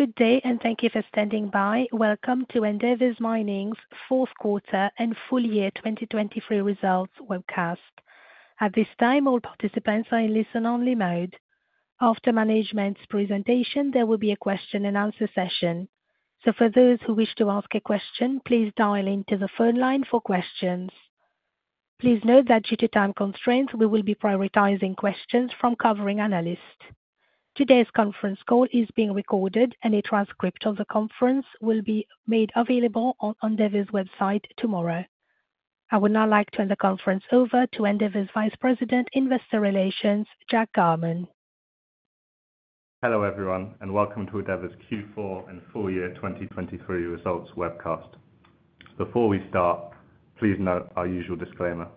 Good day and thank you for standing by. Welcome to Endeavour Mining's fourth quarter and full year 2023 results webcast. At this time, all participants are in listen-only mode. After management's presentation, there will be a question-and-answer session. For those who wish to ask a question, please dial into the phone line for questions. Please note that due to time constraints, we will be prioritizing questions from covering analysts. Today's conference call is being recorded, and a transcript of the conference will be made available on Endeavour's website tomorrow. I would now like to turn the conference over to Endeavour's Vice President, Investor Relations, Jack Garman. Hello everyone, and welcome to Endeavour's Q4 and full year 2023 results webcast. Before we start, please note our usual disclaimer.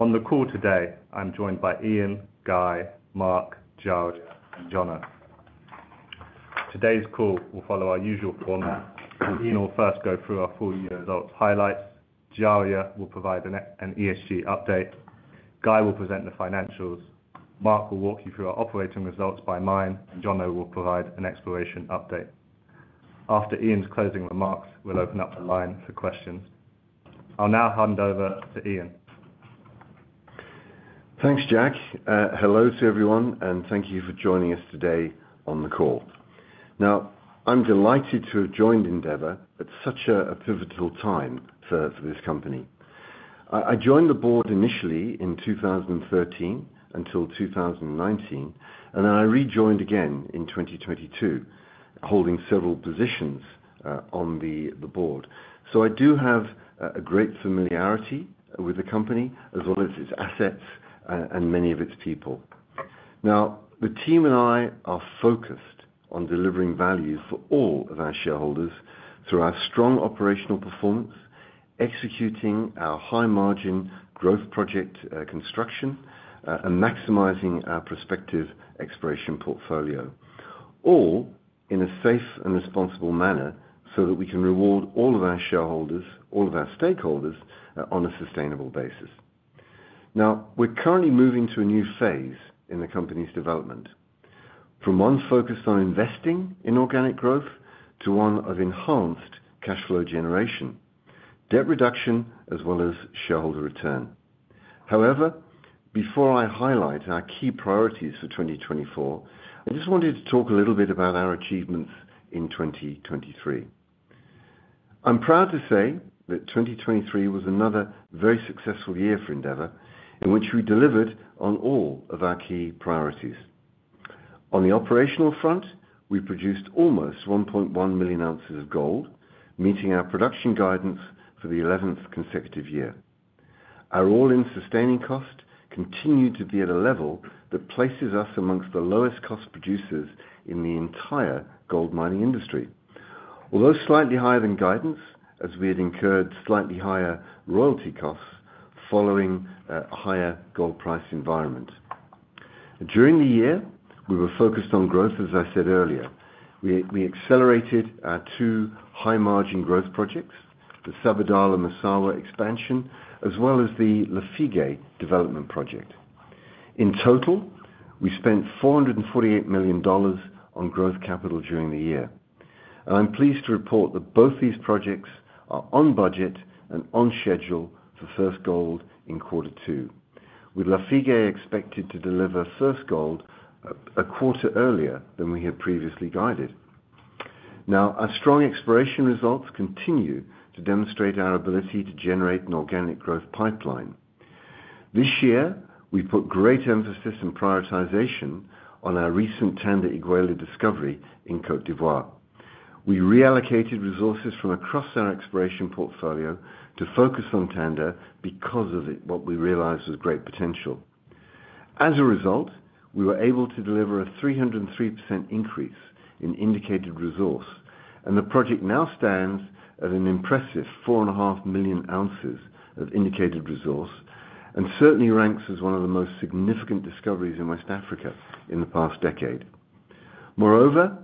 On the call today, I'm joined by Ian, Guy, Mark, Djaria, and Jono. Today's call will follow our usual format. Ian will first go through our full year results highlights. Djaria will provide an ESG update. Guy will present the financials. Mark will walk you through our operating results by mine, and Jono will provide an exploration update. After Ian's closing remarks, we'll open up the line for questions. I'll now hand over to Ian. Thanks, Jack. Hello to everyone, and thank you for joining us today on the call. Now, I'm delighted to have joined Endeavour at such a pivotal time for this company. I joined the board initially in 2013 until 2019, and then I rejoined again in 2022, holding several positions on the board. So I do have a great familiarity with the company as well as its assets and many of its people. Now, the team and I are focused on delivering value for all of our shareholders through our strong operational performance, executing our high-margin growth project construction, and maximizing our prospective exploration portfolio, all in a safe and responsible manner so that we can reward all of our shareholders, all of our stakeholders, on a sustainable basis. Now, we're currently moving to a new phase in the company's development, from one focused on investing in organic growth to one of enhanced cash flow generation, debt reduction, as well as shareholder return. However, before I highlight our key priorities for 2024, I just wanted to talk a little bit about our achievements in 2023. I'm proud to say that 2023 was another very successful year for Endeavour, in which we delivered on all of our key priorities. On the operational front, we produced almost 1.1 million ounces of gold, meeting our production guidance for the 11th consecutive year. Our all-in sustaining cost continued to be at a level that places us amongst the lowest cost producers in the entire gold mining industry, although slightly higher than guidance as we had incurred slightly higher royalty costs following a higher gold price environment. During the year, we were focused on growth, as I said earlier. We accelerated our two high-margin growth projects, the Sabadala-Massawa expansion, as well as the Lafigué development project. In total, we spent $448 million on growth capital during the year, and I'm pleased to report that both these projects are on budget and on schedule for First Gold in quarter two, with Lafigué expected to deliver First Gold a quarter earlier than we had previously guided. Now, our strong exploration results continue to demonstrate our ability to generate an organic growth pipeline. This year, we put great emphasis and prioritization on our recent Tanda-Iguela discovery in Côte d'Ivoire. We reallocated resources from across our exploration portfolio to focus on Tanda because of what we realized was great potential. As a result, we were able to deliver a 303% increase in indicated resource, and the project now stands at an impressive 4.5 million ounces of indicated resource and certainly ranks as one of the most significant discoveries in West Africa in the past decade. Moreover,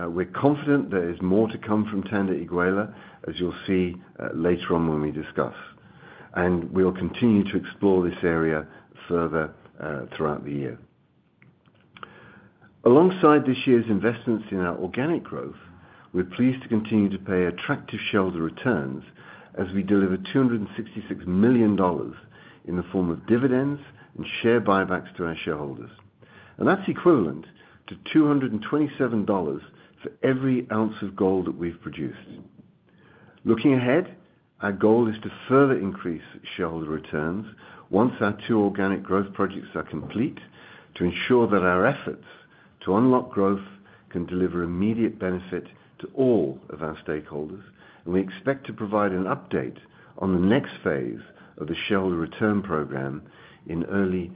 we're confident there is more to come from Tanda-Iguela, as you'll see later on when we discuss, and we'll continue to explore this area further throughout the year. Alongside this year's investments in our organic growth, we're pleased to continue to pay attractive shareholder returns as we deliver $266 million in the form of dividends and share buybacks to our shareholders, and that's equivalent to $227 for every ounce of gold that we've produced. Looking ahead, our goal is to further increase shareholder returns once our two organic growth projects are complete to ensure that our efforts to unlock growth can deliver immediate benefit to all of our stakeholders, and we expect to provide an update on the next phase of the shareholder return program in early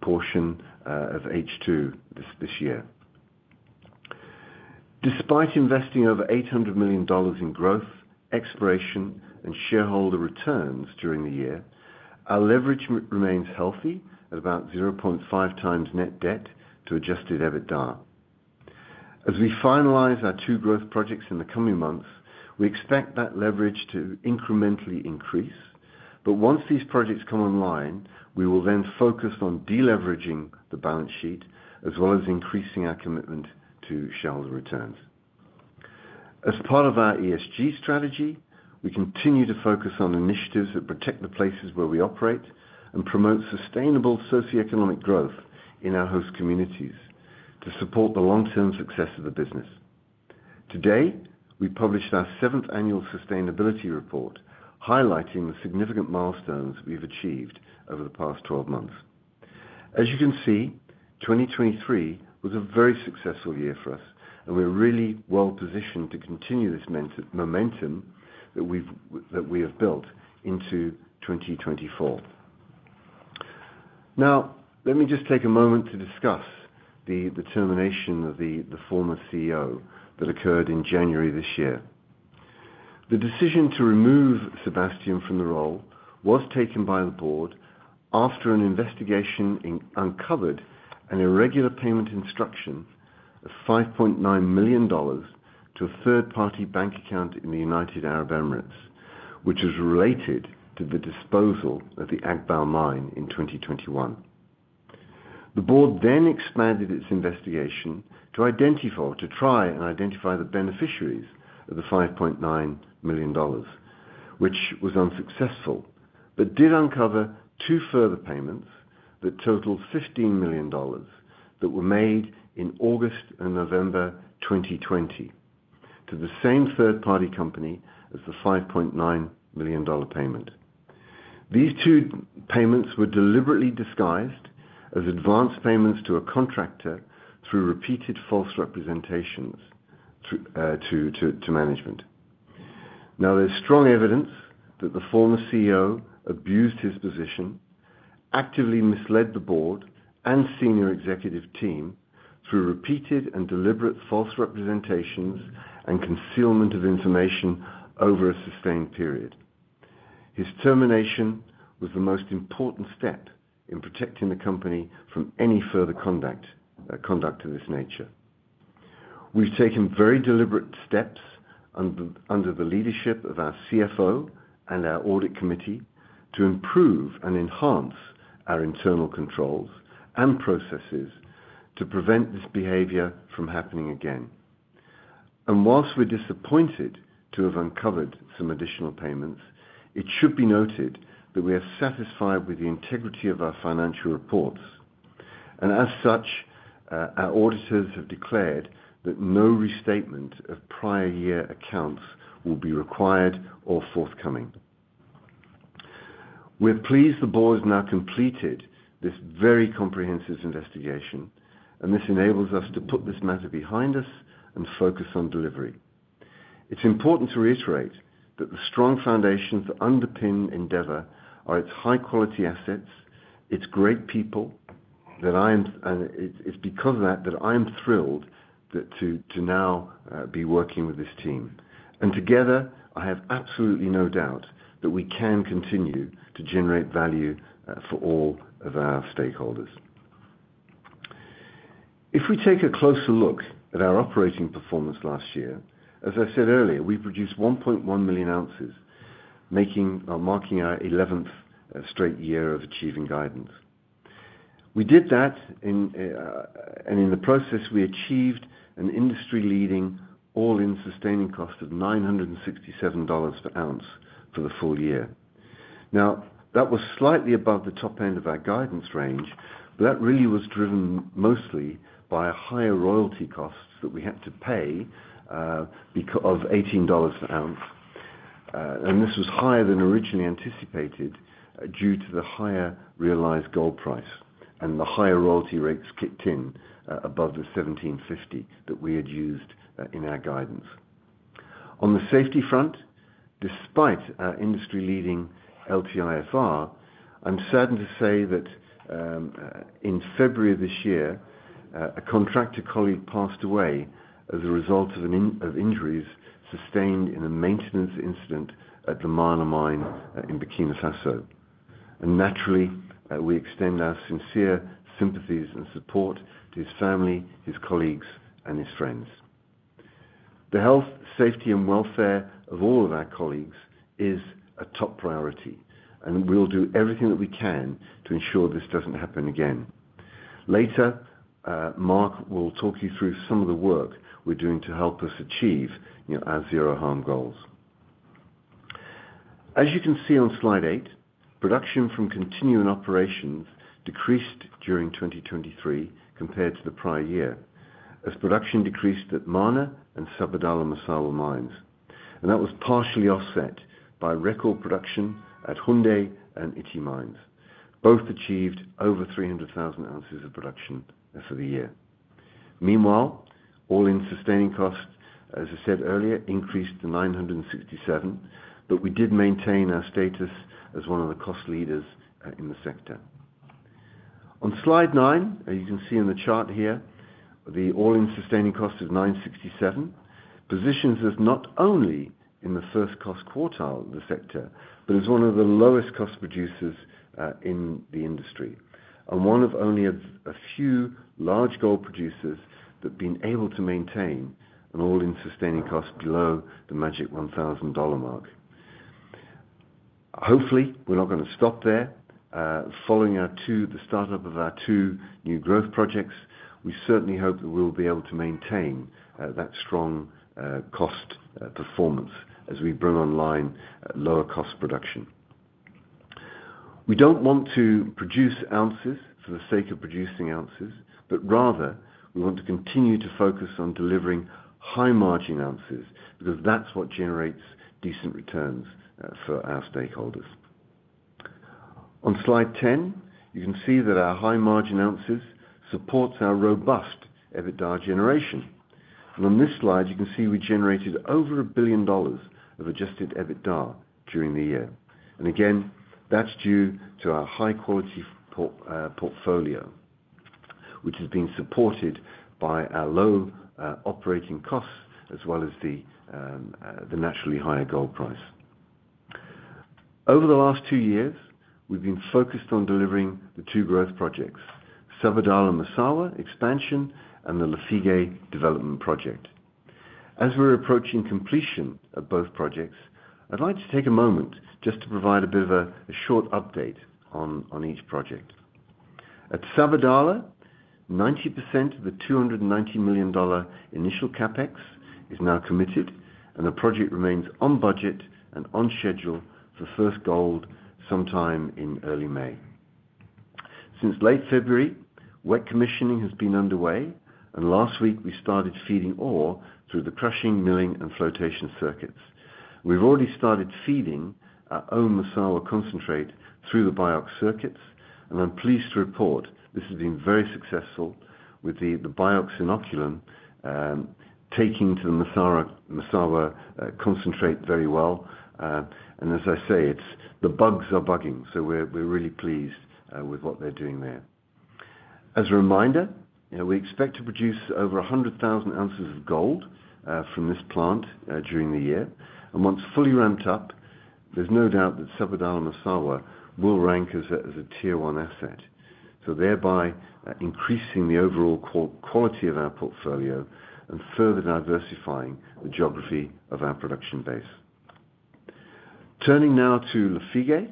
portion of H2 this year. Despite investing over $800 million in growth, exploration, and shareholder returns during the year, our leverage remains healthy at about 0.5 times net debt to adjusted EBITDA. As we finalize our two growth projects in the coming months, we expect that leverage to incrementally increase, but once these projects come online, we will then focus on deleveraging the balance sheet as well as increasing our commitment to shareholder returns. As part of our ESG strategy, we continue to focus on initiatives that protect the places where we operate and promote sustainable socioeconomic growth in our host communities to support the long-term success of the business. Today, we published our seventh annual Sustainability Report highlighting the significant milestones we've achieved over the past 12 months. As you can see, 2023 was a very successful year for us, and we're really well positioned to continue this momentum that we have built into 2024. Now, let me just take a moment to discuss the termination of the former CEO that occurred in January this year. The decision to remove Sébastien from the role was taken by the board after an investigation uncovered an irregular payment instruction of $5.9 million to a third-party bank account in the United Arab Emirates, which was related to the disposal of the Agbaou mine in 2021. The board then expanded its investigation to try and identify the beneficiaries of the $5.9 million, which was unsuccessful but did uncover two further payments that totaled $15 million that were made in August and November 2020 to the same third-party company as the $5.9 million payment. These two payments were deliberately disguised as advance payments to a contractor through repeated false representations to management. Now, there's strong evidence that the former CEO abused his position, actively misled the board and senior executive team through repeated and deliberate false representations and concealment of information over a sustained period. His termination was the most important step in protecting the company from any further conduct of this nature. We've taken very deliberate steps under the leadership of our CFO and our audit committee to improve and enhance our internal controls and processes to prevent this behavior from happening again. While we're disappointed to have uncovered some additional payments, it should be noted that we are satisfied with the integrity of our financial reports, and as such, our auditors have declared that no restatement of prior year accounts will be required or forthcoming. We're pleased the board has now completed this very comprehensive investigation, and this enables us to put this matter behind us and focus on delivery. It's important to reiterate that the strong foundations that underpin Endeavour are its high-quality assets, its great people, and it's because of that that I am thrilled to now be working with this team. And together, I have absolutely no doubt that we can continue to generate value for all of our stakeholders. If we take a closer look at our operating performance last year, as I said earlier, we produced 1.1 million ounces, marking our 11th straight year of achieving guidance. We did that, and in the process, we achieved an industry-leading all-in sustaining cost of $967 per ounce for the full year. Now, that was slightly above the top end of our guidance range, but that really was driven mostly by higher royalty costs that we had to pay of $18 per ounce, and this was higher than originally anticipated due to the higher realized gold price and the higher royalty rates kicked in above the $17.50 that we had used in our guidance. On the safety front, despite our industry-leading LTIFR, I'm saddened to say that in February of this year, a contractor colleague passed away as a result of injuries sustained in a maintenance incident at the Mana mine in Burkina Faso. Naturally, we extend our sincere sympathies and support to his family, his colleagues, and his friends. The health, safety, and welfare of all of our colleagues is a top priority, and we'll do everything that we can to ensure this doesn't happen again. Later, Mark will talk you through some of the work we're doing to help us achieve our zero-harm goals. As you can see on slide 8, production from continuing operations decreased during 2023 compared to the prior year as production decreased at Mana and Sabadala-Massawa mines, and that was partially offset by record production at Houndé and Ity mines, both achieving over 300,000 ounces of production for the year. Meanwhile, all-in sustaining cost, as I said earlier, increased to $967, but we did maintain our status as one of the cost leaders in the sector. On slide 9, as you can see in the chart here, the all-in sustaining cost is $967, positions us not only in the first cost quartile of the sector but as one of the lowest cost producers in the industry and one of only a few large gold producers that have been able to maintain an all-in sustaining cost below the magic $1,000 mark. Hopefully, we're not going to stop there. Following the startup of our two new growth projects, we certainly hope that we'll be able to maintain that strong cost performance as we bring online lower-cost production. We don't want to produce ounces for the sake of producing ounces, but rather, we want to continue to focus on delivering high-margin ounces because that's what generates decent returns for our stakeholders. On slide 10, you can see that our high-margin ounces support our robust EBITDA generation. And on this slide, you can see we generated over $1 billion of adjusted EBITDA during the year. And again, that's due to our high-quality portfolio, which has been supported by our low operating costs as well as the naturally higher gold price. Over the last two years, we've been focused on delivering the two growth projects, Sabadala-Massawa expansion and the Lafigué development project. As we're approaching completion of both projects, I'd like to take a moment just to provide a bit of a short update on each project. At Sabadala, 90% of the $290 million initial CapEx is now committed, and the project remains on budget and on schedule for First Gold sometime in early May. Since late February, wet commissioning has been underway, and last week, we started feeding ore through the crushing, milling, and flotation circuits. We've already started feeding our own Massawa concentrate through the BIOX circuits, and I'm pleased to report this has been very successful with the BIOX inoculum taking to the Massawa concentrate very well. And as I say, the bugs are bugging, so we're really pleased with what they're doing there. As a reminder, we expect to produce over 100,000 ounces of gold from this plant during the year, and once fully ramped up, there's no doubt that Sabadala-Massawa will rank as a tier one asset, so thereby increasing the overall quality of our portfolio and further diversifying the geography of our production base. Turning now to Lafigué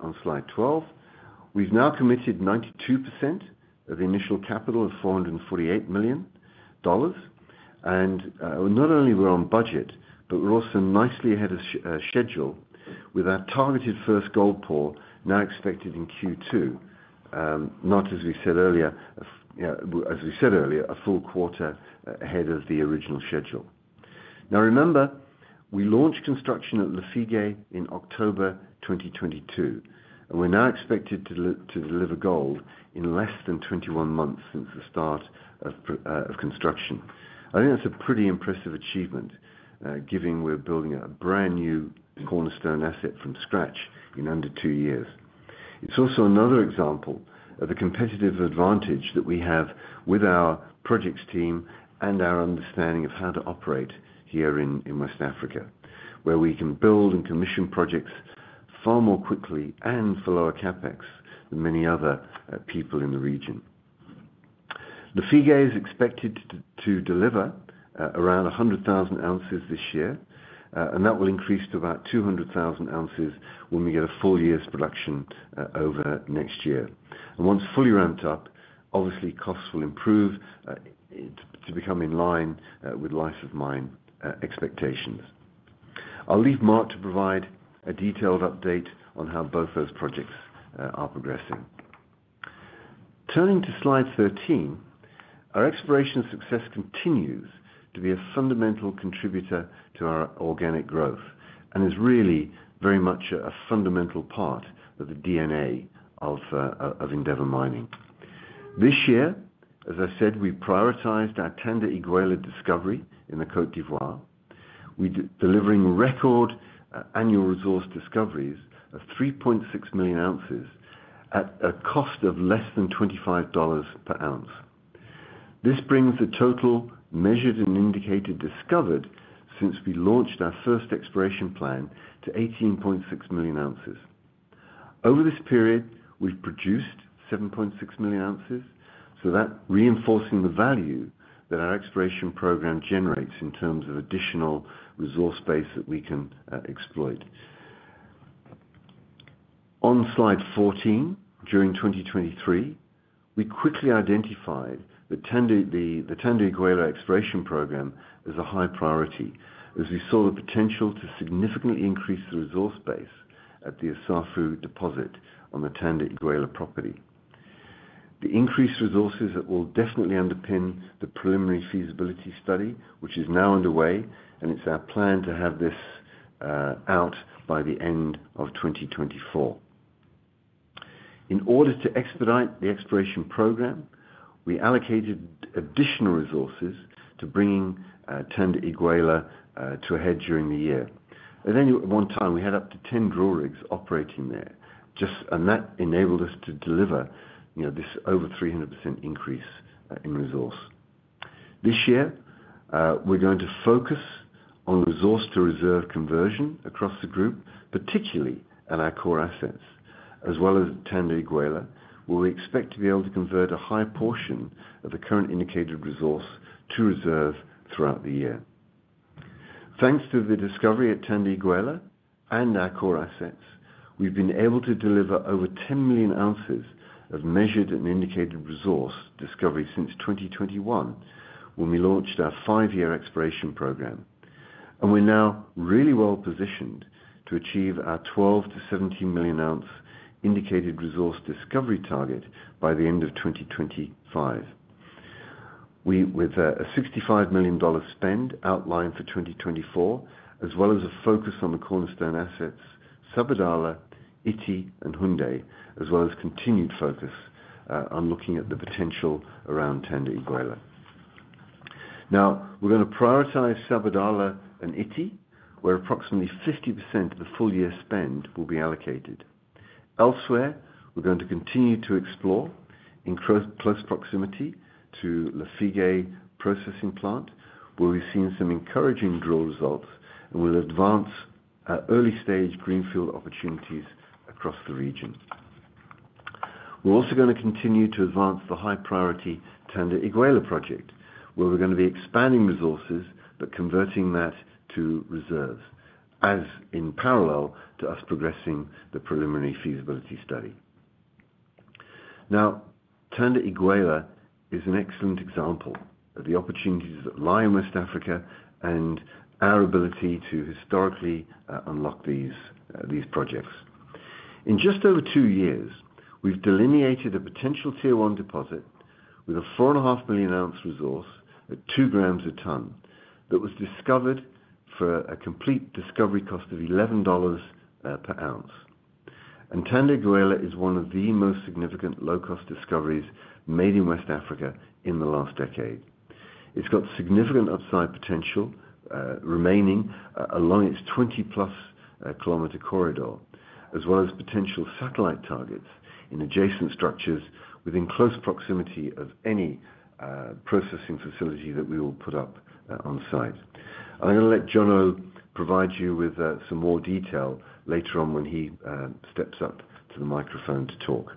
on slide 12, we've now committed 92% of the initial capital of $448 million, and not only we're on budget, but we're also nicely ahead of schedule with our targeted first gold pour now expected in Q2, not as we said earlier, as we said earlier, a full quarter ahead of the original schedule. Now, remember, we launched construction at Lafigué in October 2022, and we're now expected to deliver gold in less than 21 months since the start of construction. I think that's a pretty impressive achievement, given we're building a brand new cornerstone asset from scratch in under two years. It's also another example of the competitive advantage that we have with our projects team and our understanding of how to operate here in West Africa, where we can build and commission projects far more quickly and for lower capex than many other people in the region. Lafigué is expected to deliver around 100,000 ounces this year, and that will increase to about 200,000 ounces when we get a full year's production over next year. And once fully ramped up, obviously, costs will improve to become in line with life-of-mine expectations. I'll leave Mark to provide a detailed update on how both those projects are progressing. Turning to slide 13, our exploration success continues to be a fundamental contributor to our organic growth and is really very much a fundamental part of the DNA of Endeavour Mining. This year, as I said, we prioritized our Tanda-Iguela discovery in the Côte d'Ivoire, delivering record annual resource discoveries of 3.6 million ounces at a cost of less than $25 per ounce. This brings the total measured and indicated discovered since we launched our first exploration plan to 18.6 million ounces. Over this period, we've produced 7.6 million ounces, so that's reinforcing the value that our exploration program generates in terms of additional resource base that we can exploit. On slide 14, during 2023, we quickly identified the Tanda-Iguela exploration program as a high priority as we saw the potential to significantly increase the resource base at the Assafou deposit on the Tanda-Iguela property. The increased resources will definitely underpin the preliminary feasibility study, which is now underway, and it's our plan to have this out by the end of 2024. In order to expedite the exploration program, we allocated additional resources to bringing Tanda-Iguela to a head during the year. At one time, we had up to 10 drill rigs operating there, and that enabled us to deliver this over 300% increase in resource. This year, we're going to focus on resource-to-reserve conversion across the group, particularly at our core assets, as well as Tanda-Iguela, where we expect to be able to convert a high portion of the current indicated resource to reserve throughout the year. Thanks to the discovery at Tanda-Iguela and our core assets, we've been able to deliver over 10 million ounces of measured and indicated resource discovery since 2021 when we launched our five-year exploration program, and we're now really well positioned to achieve our 12-17 million ounce indicated resource discovery target by the end of 2025. With a $65 million spend outlined for 2024, as well as a focus on the cornerstone assets, Sabadala, Ity, and Houndé, as well as continued focus on looking at the potential around Tanda-Iguela. Now, we're going to prioritise Sabadala and Ity, where approximately 50% of the full-year spend will be allocated. Elsewhere, we're going to continue to explore in close proximity to Lafigué processing plant, where we've seen some encouraging drill results, and we'll advance early-stage greenfield opportunities across the region. We're also going to continue to advance the high-priority Tanda-Iguela project, where we're going to be expanding resources but converting that to reserves in parallel to us progressing the preliminary feasibility study. Now, Tanda-Iguela is an excellent example of the opportunities that lie in West Africa and our ability to historically unlock these projects. In just over 2 years, we've delineated a potential tier one deposit with a 4.5 million ounce resource at 2 grams a tonne that was discovered for a complete discovery cost of $11 per ounce. And Tanda-Iguela is one of the most significant low-cost discoveries made in West Africa in the last decade. It's got significant upside potential remaining along its 20+-kilometer corridor, as well as potential satellite targets in adjacent structures within close proximity of any processing facility that we will put up on site. I'm going to let Jono provide you with some more detail later on when he steps up to the microphone to talk.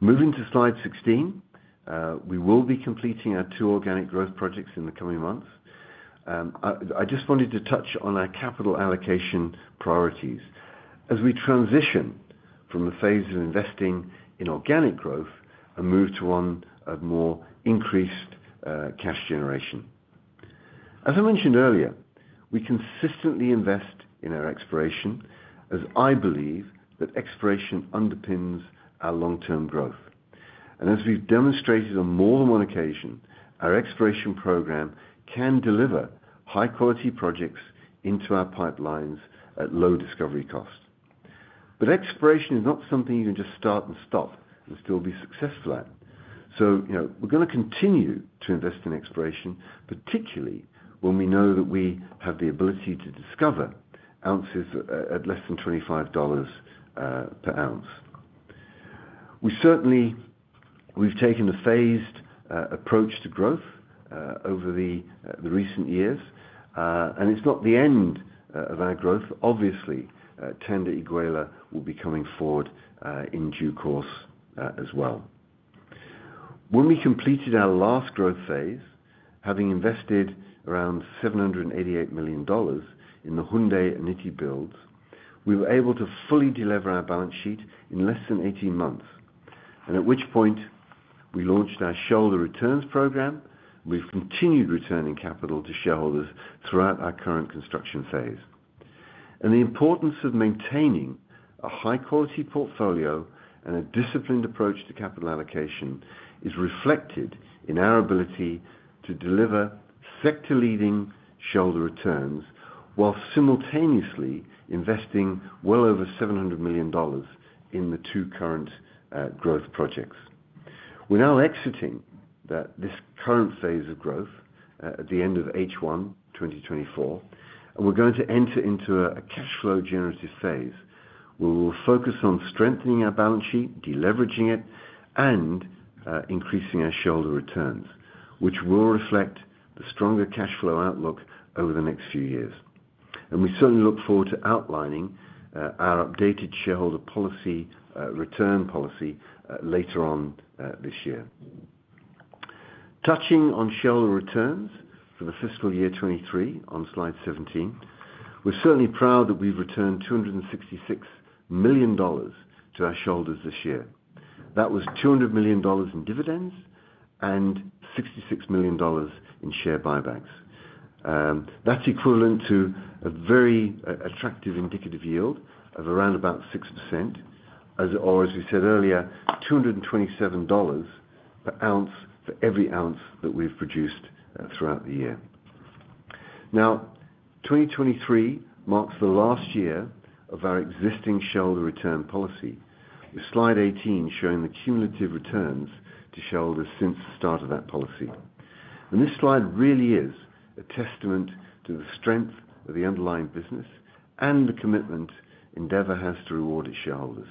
Moving to slide 16, we will be completing our 2 organic growth projects in the coming months. I just wanted to touch on our capital allocation priorities as we transition from the phase of investing in organic growth and move to one of more increased cash generation. As I mentioned earlier, we consistently invest in our exploration as I believe that exploration underpins our long-term growth. And as we've demonstrated on more than one occasion, our exploration program can deliver high-quality projects into our pipelines at low discovery cost. But exploration is not something you can just start and stop and still be successful at. So we're going to continue to invest in exploration, particularly when we know that we have the ability to discover ounces at less than $25 per ounce. We've taken a phased approach to growth over the recent years, and it's not the end of our growth. Obviously, Tanda-Iguela will be coming forward in due course as well. When we completed our last growth phase, having invested around $788 million in the Houndé and Ity builds, we were able to fully deliver our balance sheet in less than 18 months, and at which point we launched our shareholder returns program. We've continued returning capital to shareholders throughout our current construction phase. The importance of maintaining a high-quality portfolio and a disciplined approach to capital allocation is reflected in our ability to deliver sector-leading shareholder returns while simultaneously investing well over $700 million in the two current growth projects. We're now exiting this current phase of growth at the end of H1 2024, and we're going to enter into a cash-flow-generative phase where we'll focus on strengthening our balance sheet, deleveraging it, and increasing our shareholder returns, which will reflect the stronger cash-flow outlook over the next few years. We certainly look forward to outlining our updated shareholder return policy later on this year. Touching on shareholder returns for the fiscal year 2023 on slide 17, we're certainly proud that we've returned $266 million to our shareholders this year. That was $200 million in dividends and $66 million in share buybacks. That's equivalent to a very attractive indicative yield of around about 6%, or as we said earlier, $227 per ounce for every ounce that we've produced throughout the year. Now, 2023 marks the last year of our existing shareholder return policy, with slide 18 showing the cumulative returns to shareholders since the start of that policy. This slide really is a testament to the strength of the underlying business and the commitment Endeavour has to reward its shareholders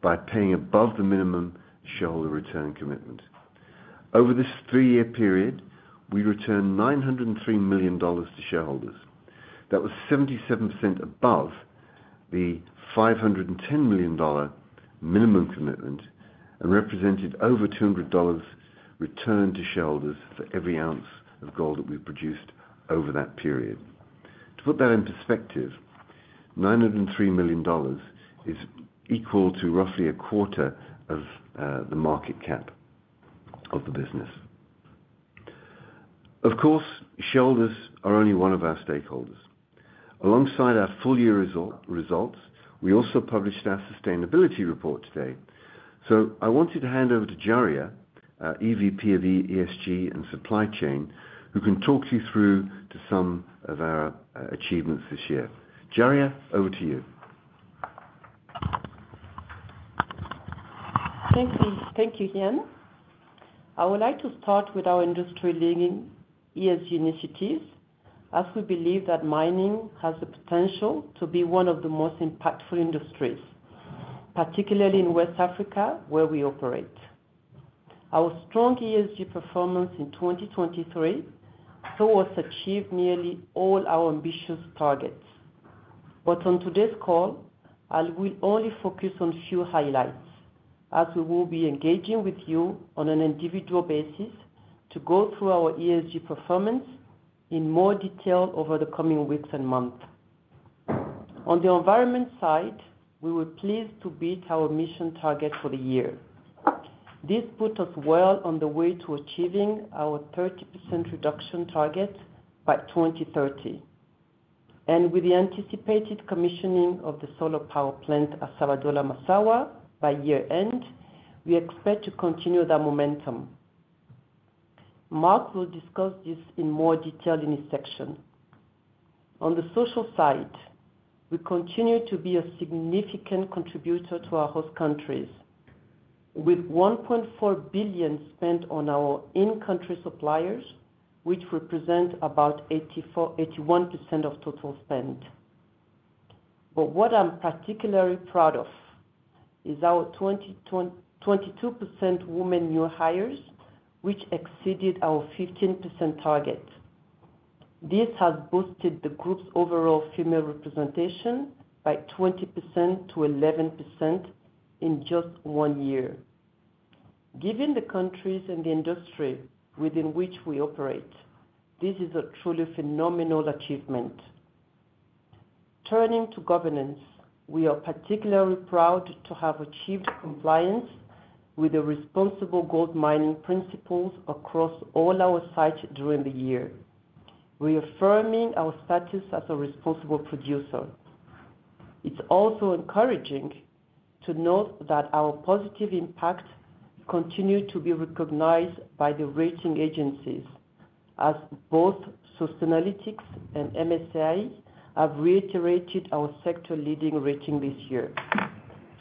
by paying above the minimum shareholder return commitment. Over this three-year period, we returned $903 million to shareholders. That was 77% above the $510 million minimum commitment and represented over $200 return to shareholders for every ounce of gold that we've produced over that period. To put that in perspective, $903 million is equal to roughly a quarter of the market cap of the business. Of course, shareholders are only one of our stakeholders. Alongside our full-year results, we also published our sustainability report today. I wanted to hand over to Djaria Traore, EVP of ESG and Supply Chain, who can talk you through some of our achievements this year. Djaria, over to you. Thank you, Ian. I would like to start with our industry-leading ESG initiatives as we believe that mining has the potential to be one of the most impactful industries, particularly in West Africa where we operate. Our strong ESG performance in 2023 has achieved nearly all our ambitious targets. But on today's call, I will only focus on a few highlights as we will be engaging with you on an individual basis to go through our ESG performance in more detail over the coming weeks and months. On the environment side, we were pleased to beat our emission target for the year. This put us well on the way to achieving our 30% reduction target by 2030. And with the anticipated commissioning of the solar power plant at Sabadala-Massawa by year-end, we expect to continue that momentum. Mark will discuss this in more detail in his section. On the social side, we continue to be a significant contributor to our host countries, with $1.4 billion spent on our in-country suppliers, which represent about 81% of total spend. But what I'm particularly proud of is our 22% women new hires, which exceeded our 15% target. This has boosted the group's overall female representation by 20% to 11% in just one year. Given the countries and the industry within which we operate, this is a truly phenomenal achievement. Turning to governance, we are particularly proud to have achieved compliance with the Responsible Gold Mining Principles across all our sites during the year, reaffirming our status as a responsible producer. It's also encouraging to note that our positive impact continues to be recognized by the rating agencies, as both Sustainalytics and MSCI have reiterated our sector-leading rating this year,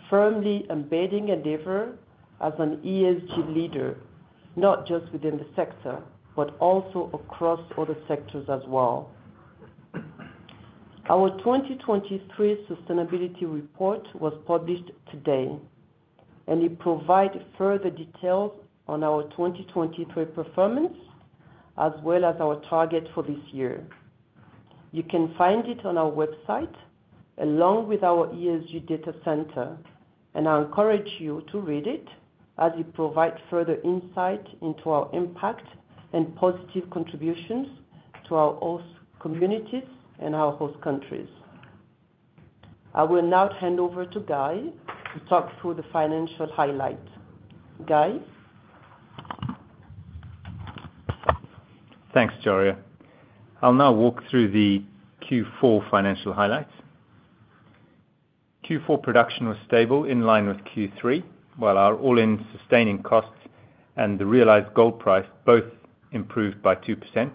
firmly embedding Endeavour as an ESG leader, not just within the sector but also across other sectors as well. Our 2023 sustainability report was published today, and it provides further details on our 2023 performance as well as our target for this year. You can find it on our website along with our ESG data center, and I encourage you to read it as it provides further insight into our impact and positive contributions to our host communities and our host countries. I will now hand over to Guy to talk through the financial highlights. Guy? Thanks, Djaria. I'll now walk through the Q4 financial highlights. Q4 production was stable in line with Q3, while our all-in sustaining costs and the realized gold price both improved by 2%,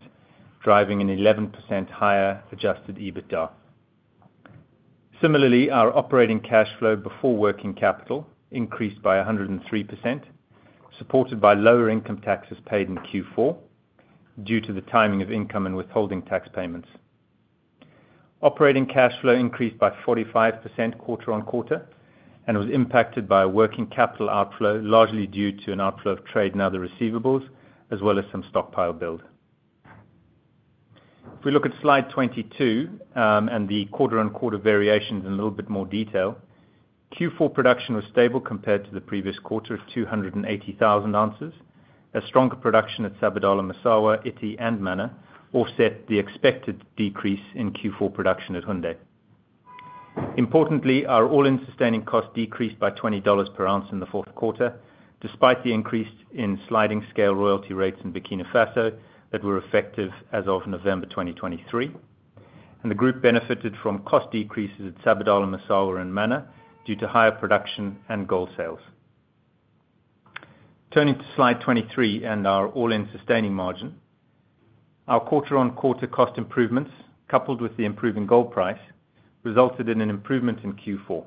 driving an 11% higher Adjusted EBITDA. Similarly, our operating cash flow before working capital increased by 103%, supported by lower income taxes paid in Q4 due to the timing of income and withholding tax payments. Operating cash flow increased by 45% quarter-on-quarter and was impacted by a working capital outflow, largely due to an outflow of trade and other receivables, as well as some stockpile build. If we look at slide 22 and the quarter-on-quarter variations in a little bit more detail, Q4 production was stable compared to the previous quarter at 280,000 ounces. A stronger production at Sabadala-Massawa, Ity, and Mana offset the expected decrease in Q4 production at Houndé. Importantly, our all-in sustaining cost decreased by $20 per ounce in the fourth quarter, despite the increase in sliding-scale royalty rates in Burkina Faso that were effective as of November 2023. The group benefited from cost decreases at Sabadala-Massawa and Mana due to higher production and gold sales. Turning to slide 23 and our all-in sustaining margin, our quarter-on-quarter cost improvements, coupled with the improving gold price, resulted in an improvement in Q4.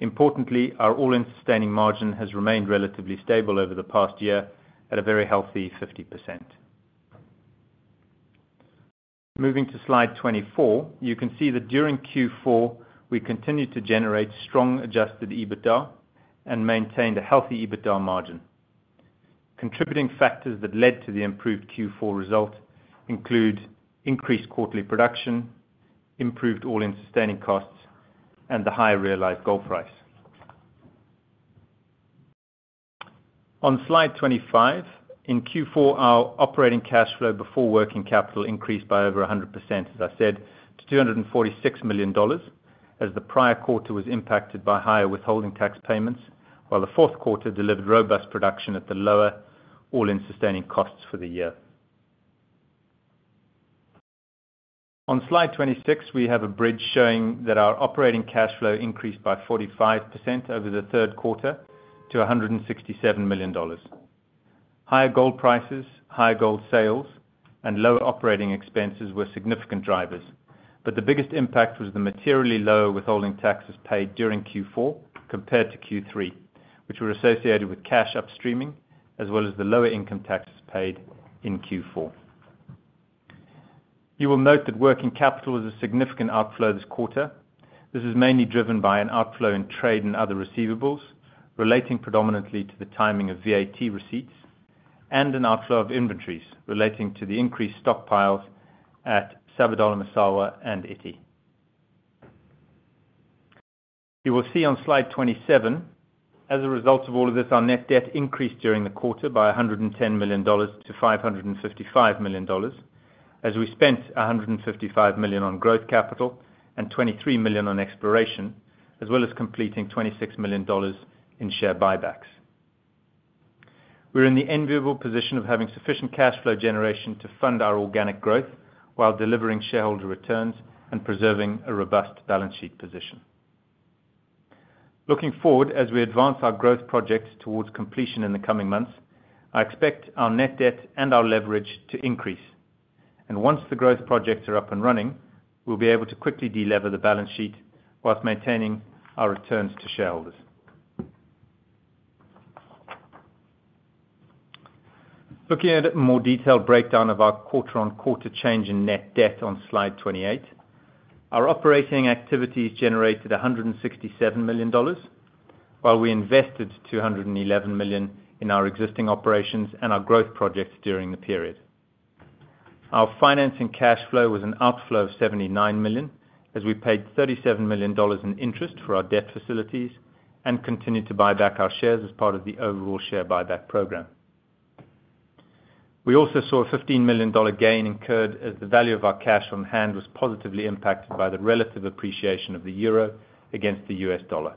Importantly, our all-in sustaining margin has remained relatively stable over the past year at a very healthy 50%. Moving to slide 24, you can see that during Q4, we continued to generate strong Adjusted EBITDA and maintained a healthy EBITDA margin. Contributing factors that led to the improved Q4 result include increased quarterly production, improved all-in sustaining costs, and the higher realized gold price. On slide 25, in Q4, our operating cash flow before working capital increased by over 100%, as I said, to $246 million as the prior quarter was impacted by higher withholding tax payments, while the fourth quarter delivered robust production at the lower all-in sustaining costs for the year. On slide 26, we have a bridge showing that our operating cash flow increased by 45% over the third quarter to $167 million. Higher gold prices, higher gold sales, and lower operating expenses were significant drivers. But the biggest impact was the materially lower withholding taxes paid during Q4 compared to Q3, which were associated with cash upstreaming as well as the lower income taxes paid in Q4. You will note that working capital was a significant outflow this quarter. This is mainly driven by an outflow in trade and other receivables relating predominantly to the timing of VAT receipts, and an outflow of inventories relating to the increased stockpiles at Sabadala-Massawa and Ity. You will see on slide 27, as a result of all of this, our net debt increased during the quarter by $110 million to $555 million as we spent $155 million on growth capital and $23 million on exploration, as well as completing $26 million in share buybacks. We're in the enviable position of having sufficient cash flow generation to fund our organic growth while delivering shareholder returns and preserving a robust balance sheet position. Looking forward, as we advance our growth projects towards completion in the coming months, I expect our net debt and our leverage to increase. Once the growth projects are up and running, we'll be able to quickly delever the balance sheet while maintaining our returns to shareholders. Looking at a more detailed breakdown of our quarter-on-quarter change in net debt on slide 28, our operating activities generated $167 million while we invested $211 million in our existing operations and our growth projects during the period. Our financing cash flow was an outflow of $79 million as we paid $37 million in interest for our debt facilities and continued to buy back our shares as part of the overall share buyback program. We also saw a $15 million gain incurred as the value of our cash on hand was positively impacted by the relative appreciation of the euro against the US dollar.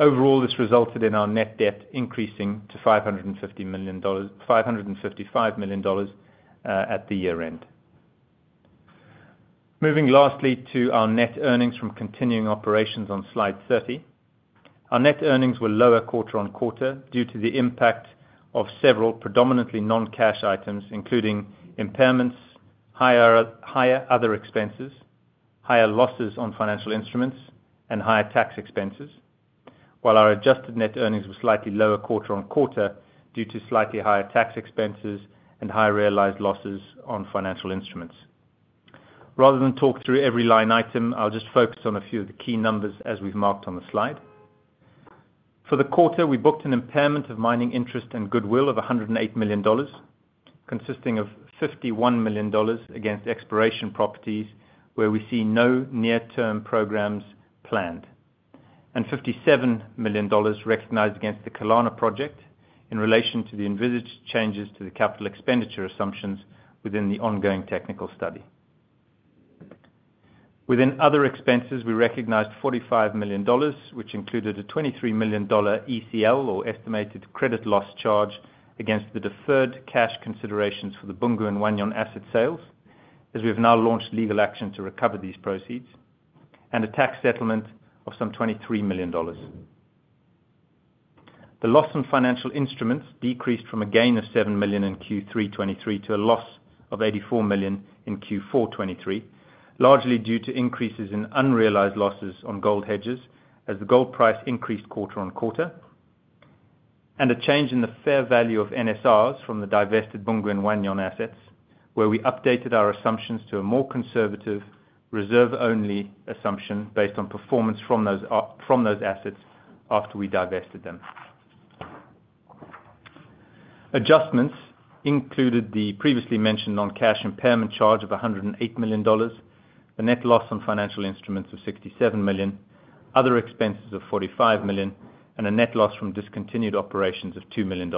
Overall, this resulted in our net debt increasing to $550 million $555 million at the year-end. Moving lastly to our net earnings from continuing operations on slide 30, our net earnings were lower quarter-over-quarter due to the impact of several predominantly non-cash items, including impairments, higher other expenses, higher losses on financial instruments, and higher tax expenses, while our adjusted net earnings were slightly lower quarter-over-quarter due to slightly higher tax expenses and higher realized losses on financial instruments. Rather than talk through every line item, I'll just focus on a few of the key numbers as we've marked on the slide. For the quarter, we booked an impairment of mining interest and goodwill of $108 million, consisting of $51 million against exploration properties where we see no near-term programs planned, and $57 million recognized against the Kalana project in relation to the envisaged changes to the capital expenditure assumptions within the ongoing technical study. Within other expenses, we recognized $45 million, which included a $23 million ECL or estimated credit loss charge against the deferred cash considerations for the Boungou and Wahgnion asset sales as we have now launched legal action to recover these proceeds, and a tax settlement of some $23 million. The loss in financial instruments decreased from a gain of $7 million in Q3 2023 to a loss of $84 million in Q4 2023, largely due to increases in unrealized losses on gold hedges as the gold price increased quarter on quarter, and a change in the fair value of NSRs from the divested Boungou and Wahgnion assets where we updated our assumptions to a more conservative reserve-only assumption based on performance from those assets after we divested them. Adjustments included the previously mentioned non-cash impairment charge of $108 million, the net loss on financial instruments of $67 million, other expenses of $45 million, and a net loss from discontinued operations of $2 million,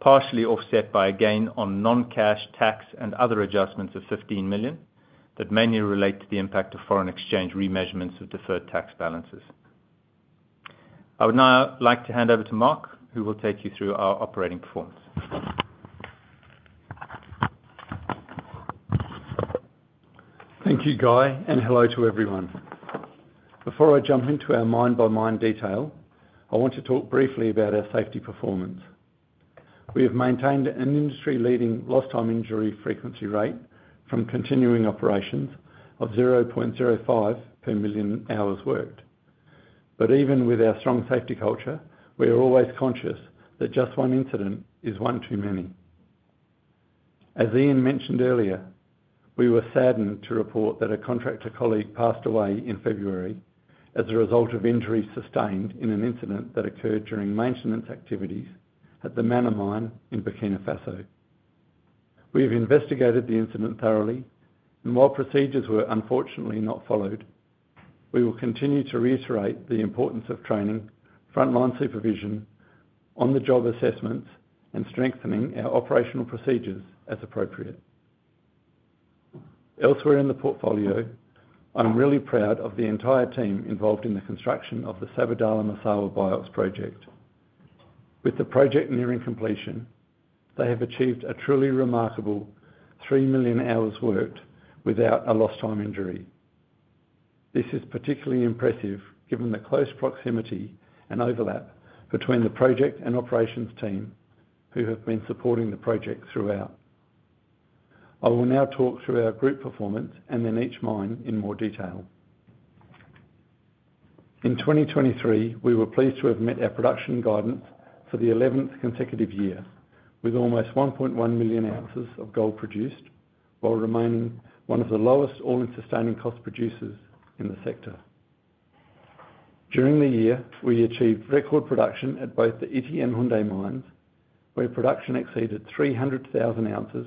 partially offset by a gain on non-cash tax and other adjustments of $15 million that mainly relate to the impact of foreign exchange remeasurements of deferred tax balances. I would now like to hand over to Mark, who will take you through our operating performance. Thank you, Guy, and hello to everyone. Before I jump into our mine-by-mine detail, I want to talk briefly about our safety performance. We have maintained an industry-leading lost-time injury frequency rate from continuing operations of 0.05 per million hours worked. But even with our strong safety culture, we are always conscious that just one incident is one too many. As Ian mentioned earlier, we were saddened to report that a contractor colleague passed away in February as a result of injuries sustained in an incident that occurred during maintenance activities at the Mana mine in Burkina Faso. We have investigated the incident thoroughly, and while procedures were unfortunately not followed, we will continue to reiterate the importance of training, frontline supervision on the job assessments, and strengthening our operational procedures as appropriate. Elsewhere in the portfolio, I'm really proud of the entire team involved in the construction of the Sabadala-Massawa BIOX project. With the project nearing completion, they have achieved a truly remarkable 3 million hours worked without a lost-time injury. This is particularly impressive given the close proximity and overlap between the project and operations team who have been supporting the project throughout. I will now talk through our group performance and then each mine in more detail. In 2023, we were pleased to have met our production guidance for the 11th consecutive year with almost 1.1 million ounces of gold produced while remaining one of the lowest all-in sustaining cost producers in the sector. During the year, we achieved record production at both the Ity and Houndé mines where production exceeded 300,000 ounces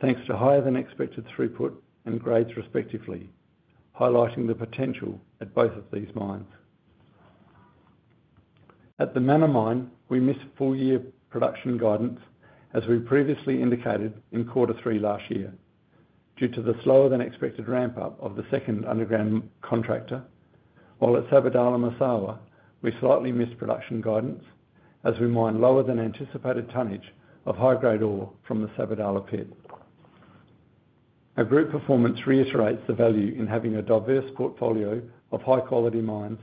thanks to higher-than-expected throughput and grades, respectively, highlighting the potential at both of these mines. At the Mana mine, we missed full-year production guidance as we previously indicated in quarter three last year due to the slower-than-expected ramp-up of the second underground contractor, while at Sabadala-Massawa, we slightly missed production guidance as we mine lower-than-anticipated tonnage of high-grade ore from the Sabadala pit. Our group performance reiterates the value in having a diverse portfolio of high-quality mines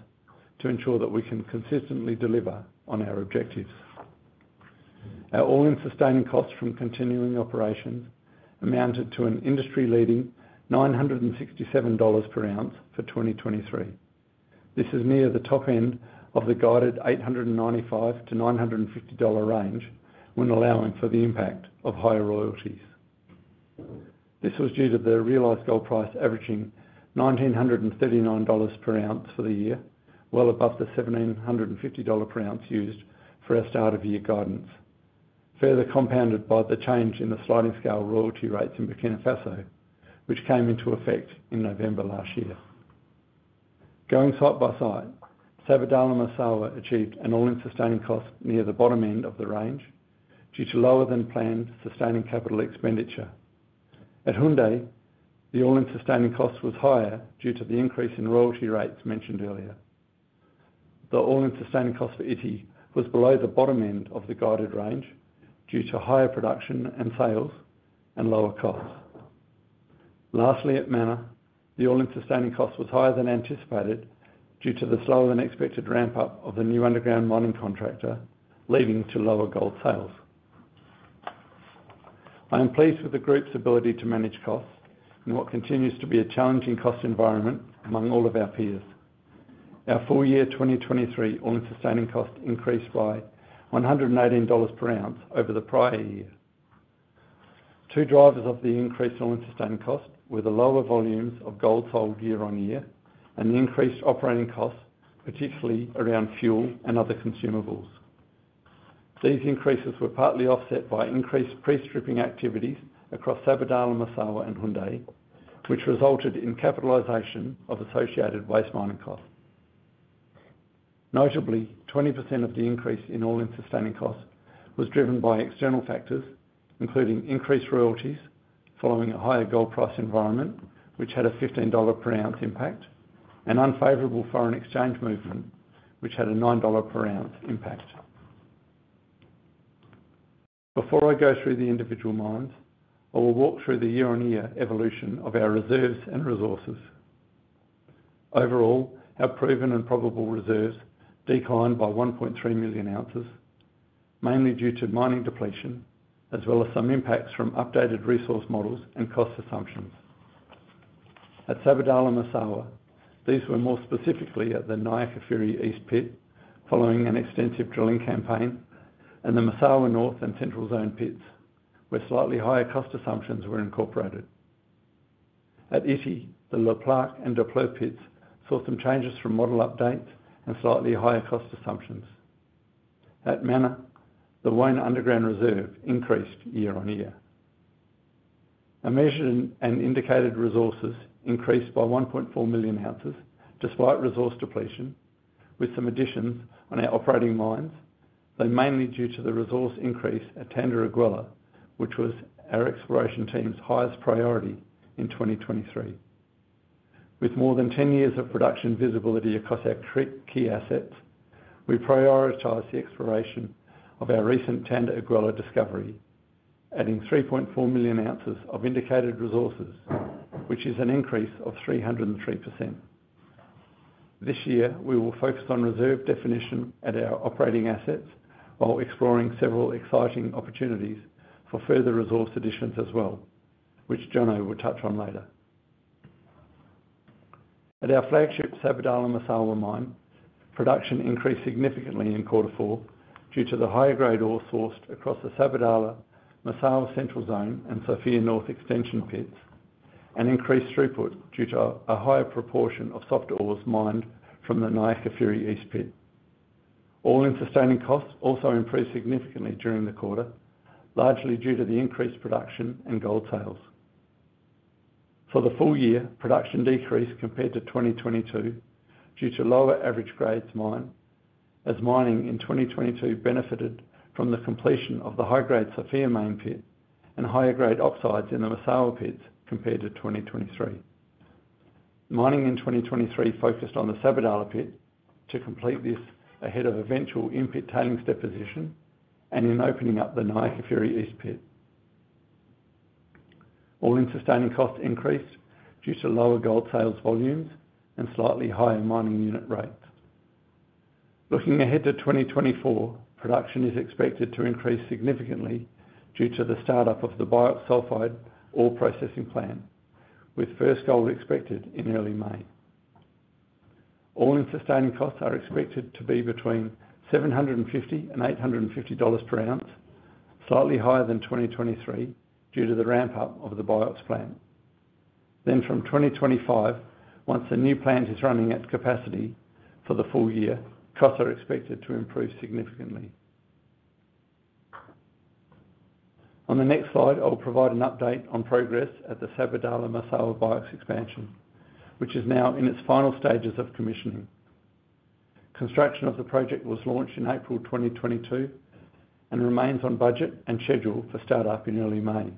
to ensure that we can consistently deliver on our objectives. Our all-in sustaining costs from continuing operations amounted to an industry-leading $967 per ounce for 2023. This is near the top end of the guided $895-$950 range when allowing for the impact of higher royalties. This was due to the realized gold price averaging $1,939 per ounce for the year, well above the $1,750 per ounce used for our start-of-year guidance, further compounded by the change in the sliding-scale royalty rates in Burkina Faso, which came into effect in November last year. Going site by site, Sabadala-Massawa achieved an all-in sustaining cost near the bottom end of the range due to lower-than-planned sustaining capital expenditure. At Houndé, the all-in sustaining cost was higher due to the increase in royalty rates mentioned earlier. The all-in sustaining cost for Ity was below the bottom end of the guided range due to higher production and sales and lower costs. Lastly, at Mana, the all-in sustaining cost was higher than anticipated due to the slower-than-expected ramp-up of the new underground mining contractor leading to lower gold sales. I am pleased with the group's ability to manage costs in what continues to be a challenging cost environment among all of our peers. Our full-year 2023 all-in sustaining cost increased by $118 per ounce over the prior year. Two drivers of the increased all-in sustaining cost were the lower volumes of gold sold year-on-year and the increased operating costs, particularly around fuel and other consumables. These increases were partly offset by increased pre-stripping activities across Sabadala-Massawa and Houndé, which resulted in capitalization of associated waste mining costs. Notably, 20% of the increase in all-in sustaining costs was driven by external factors including increased royalties following a higher gold price environment, which had a $15 per ounce impact, and unfavorable foreign exchange movement, which had a $9 per ounce impact. Before I go through the individual mines, I will walk through the year-on-year evolution of our reserves and resources. Overall, our proven and probable reserves declined by 1.3 million ounces, mainly due to mining depletion as well as some impacts from updated resource models and cost assumptions. At Sabadala-Massawa, these were more specifically at the Niakafiri East pit following an extensive drilling campaign and the Massawa North and Central Zone pits where slightly higher cost assumptions were incorporated. At Ity, the Le Plaque and Daapleu pits saw some changes from model updates and slightly higher cost assumptions. At Mana, the Wona Underground reserve increased year-on-year. Our measured and indicated resources increased by 1.4 million ounces despite resource depletion with some additions on our operating mines, though mainly due to the resource increase at Tanda-Iguela, which was our exploration team's highest priority in 2023. With more than 10 years of production visibility across our key assets, we prioritize the exploration of our recent Tanda-Iguela discovery, adding 3.4 million ounces of indicated resources, which is an increase of 303%. This year, we will focus on reserve definition at our operating assets while exploring several exciting opportunities for further resource additions as well, which Jono will touch on later. At our flagship Sabadala-Massawa mine, production increased significantly in quarter four due to the higher-grade ore sourced across the Sabadala-Massawa Central Zone and Sofia North Extension pits and increased throughput due to a higher proportion of soft ores mined from the Niakafiri East pit. All-in sustaining costs also increased significantly during the quarter, largely due to the increased production and gold sales. For the full year, production decreased compared to 2022 due to lower average grades mined as mining in 2022 benefited from the completion of the high-grade Sofia Main pit and higher-grade oxides in the Massawa pits compared to 2023. Mining in 2023 focused on the Sabadala pit to complete this ahead of eventual in-pit tailings deposition and in opening up the Niakafiri East pit. All-in sustaining costs increased due to lower gold sales volumes and slightly higher mining unit rates. Looking ahead to 2024, production is expected to increase significantly due to the start-up of the BIOX sulfide ore processing plant, with first gold expected in early May. All-in sustaining costs are expected to be between $750 and $850 per ounce, slightly higher than 2023 due to the ramp-up of the BIOX plant. Then, from 2025, once the new plant is running at capacity for the full year, costs are expected to improve significantly. On the next slide, I will provide an update on progress at the Sabadala-Massawa BIOX expansion, which is now in its final stages of commissioning. Construction of the project was launched in April 2022 and remains on budget and schedule for start-up in early May.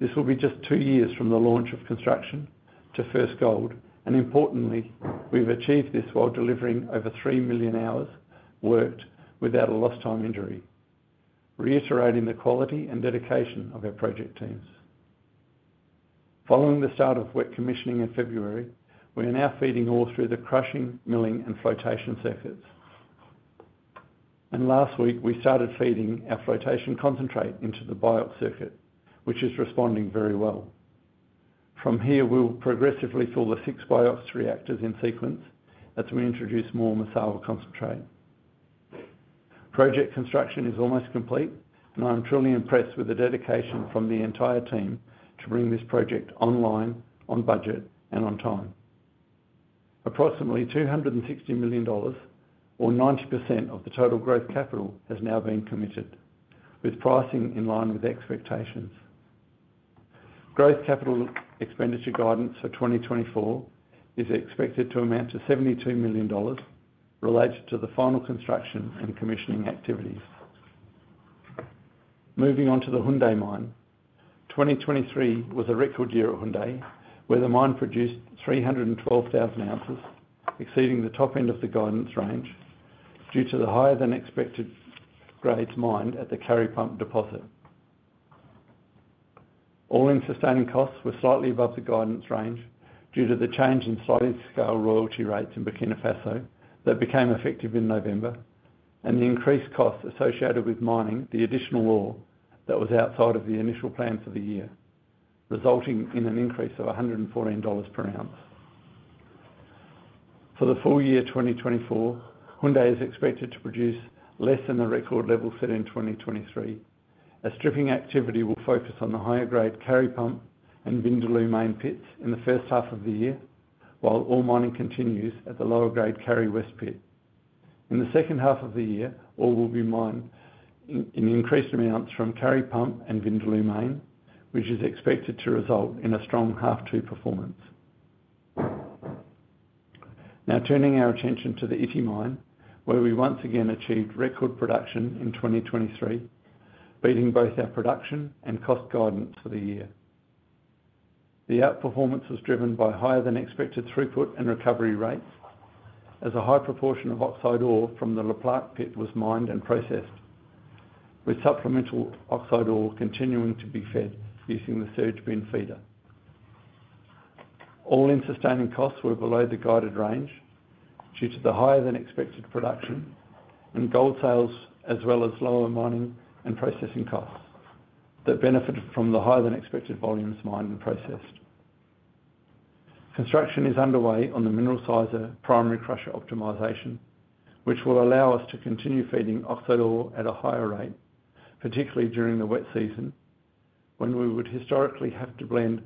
This will be just 2 years from the launch of construction to first gold, and importantly, we've achieved this while delivering over 3 million hours worked without a lost-time injury, reiterating the quality and dedication of our project teams. Following the start of wet commissioning in February, we are now feeding ore through the crushing, milling, and flotation circuits. Last week, we started feeding our flotation concentrate into the BIOX circuit, which is responding very well. From here, we'll progressively fill the six BIOX reactors in sequence as we introduce more Massawa concentrate. Project construction is almost complete, and I'm truly impressed with the dedication from the entire team to bring this project online, on budget, and on time. Approximately $260 million or 90% of the total growth capital has now been committed, with pricing in line with expectations. Growth capital expenditure guidance for 2024 is expected to amount to $72 million related to the final construction and commissioning activities. Moving on to the Houndé mine, 2023 was a record year at Houndé where the mine produced 312,000 ounces, exceeding the top end of the guidance range due to the higher-than-expected grades mined at the Kari Pump deposit. All-in sustaining costs were slightly above the guidance range due to the change in sliding-scale royalty rates in Burkina Faso that became effective in November and the increased costs associated with mining the additional ore that was outside of the initial plans for the year, resulting in an increase of $114 per ounce. For the full year 2024, Houndé is expected to produce less than the record level set in 2023. Our stripping activity will focus on the higher-grade Kari Pump and Vindaloo Main pits in the first half of the year while all mining continues at the lower-grade Kari West pit. In the second half of the year, ore will be mined in increased amounts from Kari Pump and Vindaloo Main, which is expected to result in a strong half two performance. Now, turning our attention to the Ity mine where we once again achieved record production in 2023, beating both our production and cost guidance for the year. The outperformance was driven by higher-than-expected throughput and recovery rates as a high proportion of oxide ore from the Le Plaque pit was mined and processed, with supplemental oxide ore continuing to be fed using the surge bin feeder. All-in sustaining costs were below the guided range due to the higher-than-expected production and gold sales as well as lower mining and processing costs that benefited from the higher-than-expected volumes mined and processed. Construction is underway on the mineral sizer primary crusher optimization, which will allow us to continue feeding oxide ore at a higher rate, particularly during the wet season when we would historically have to blend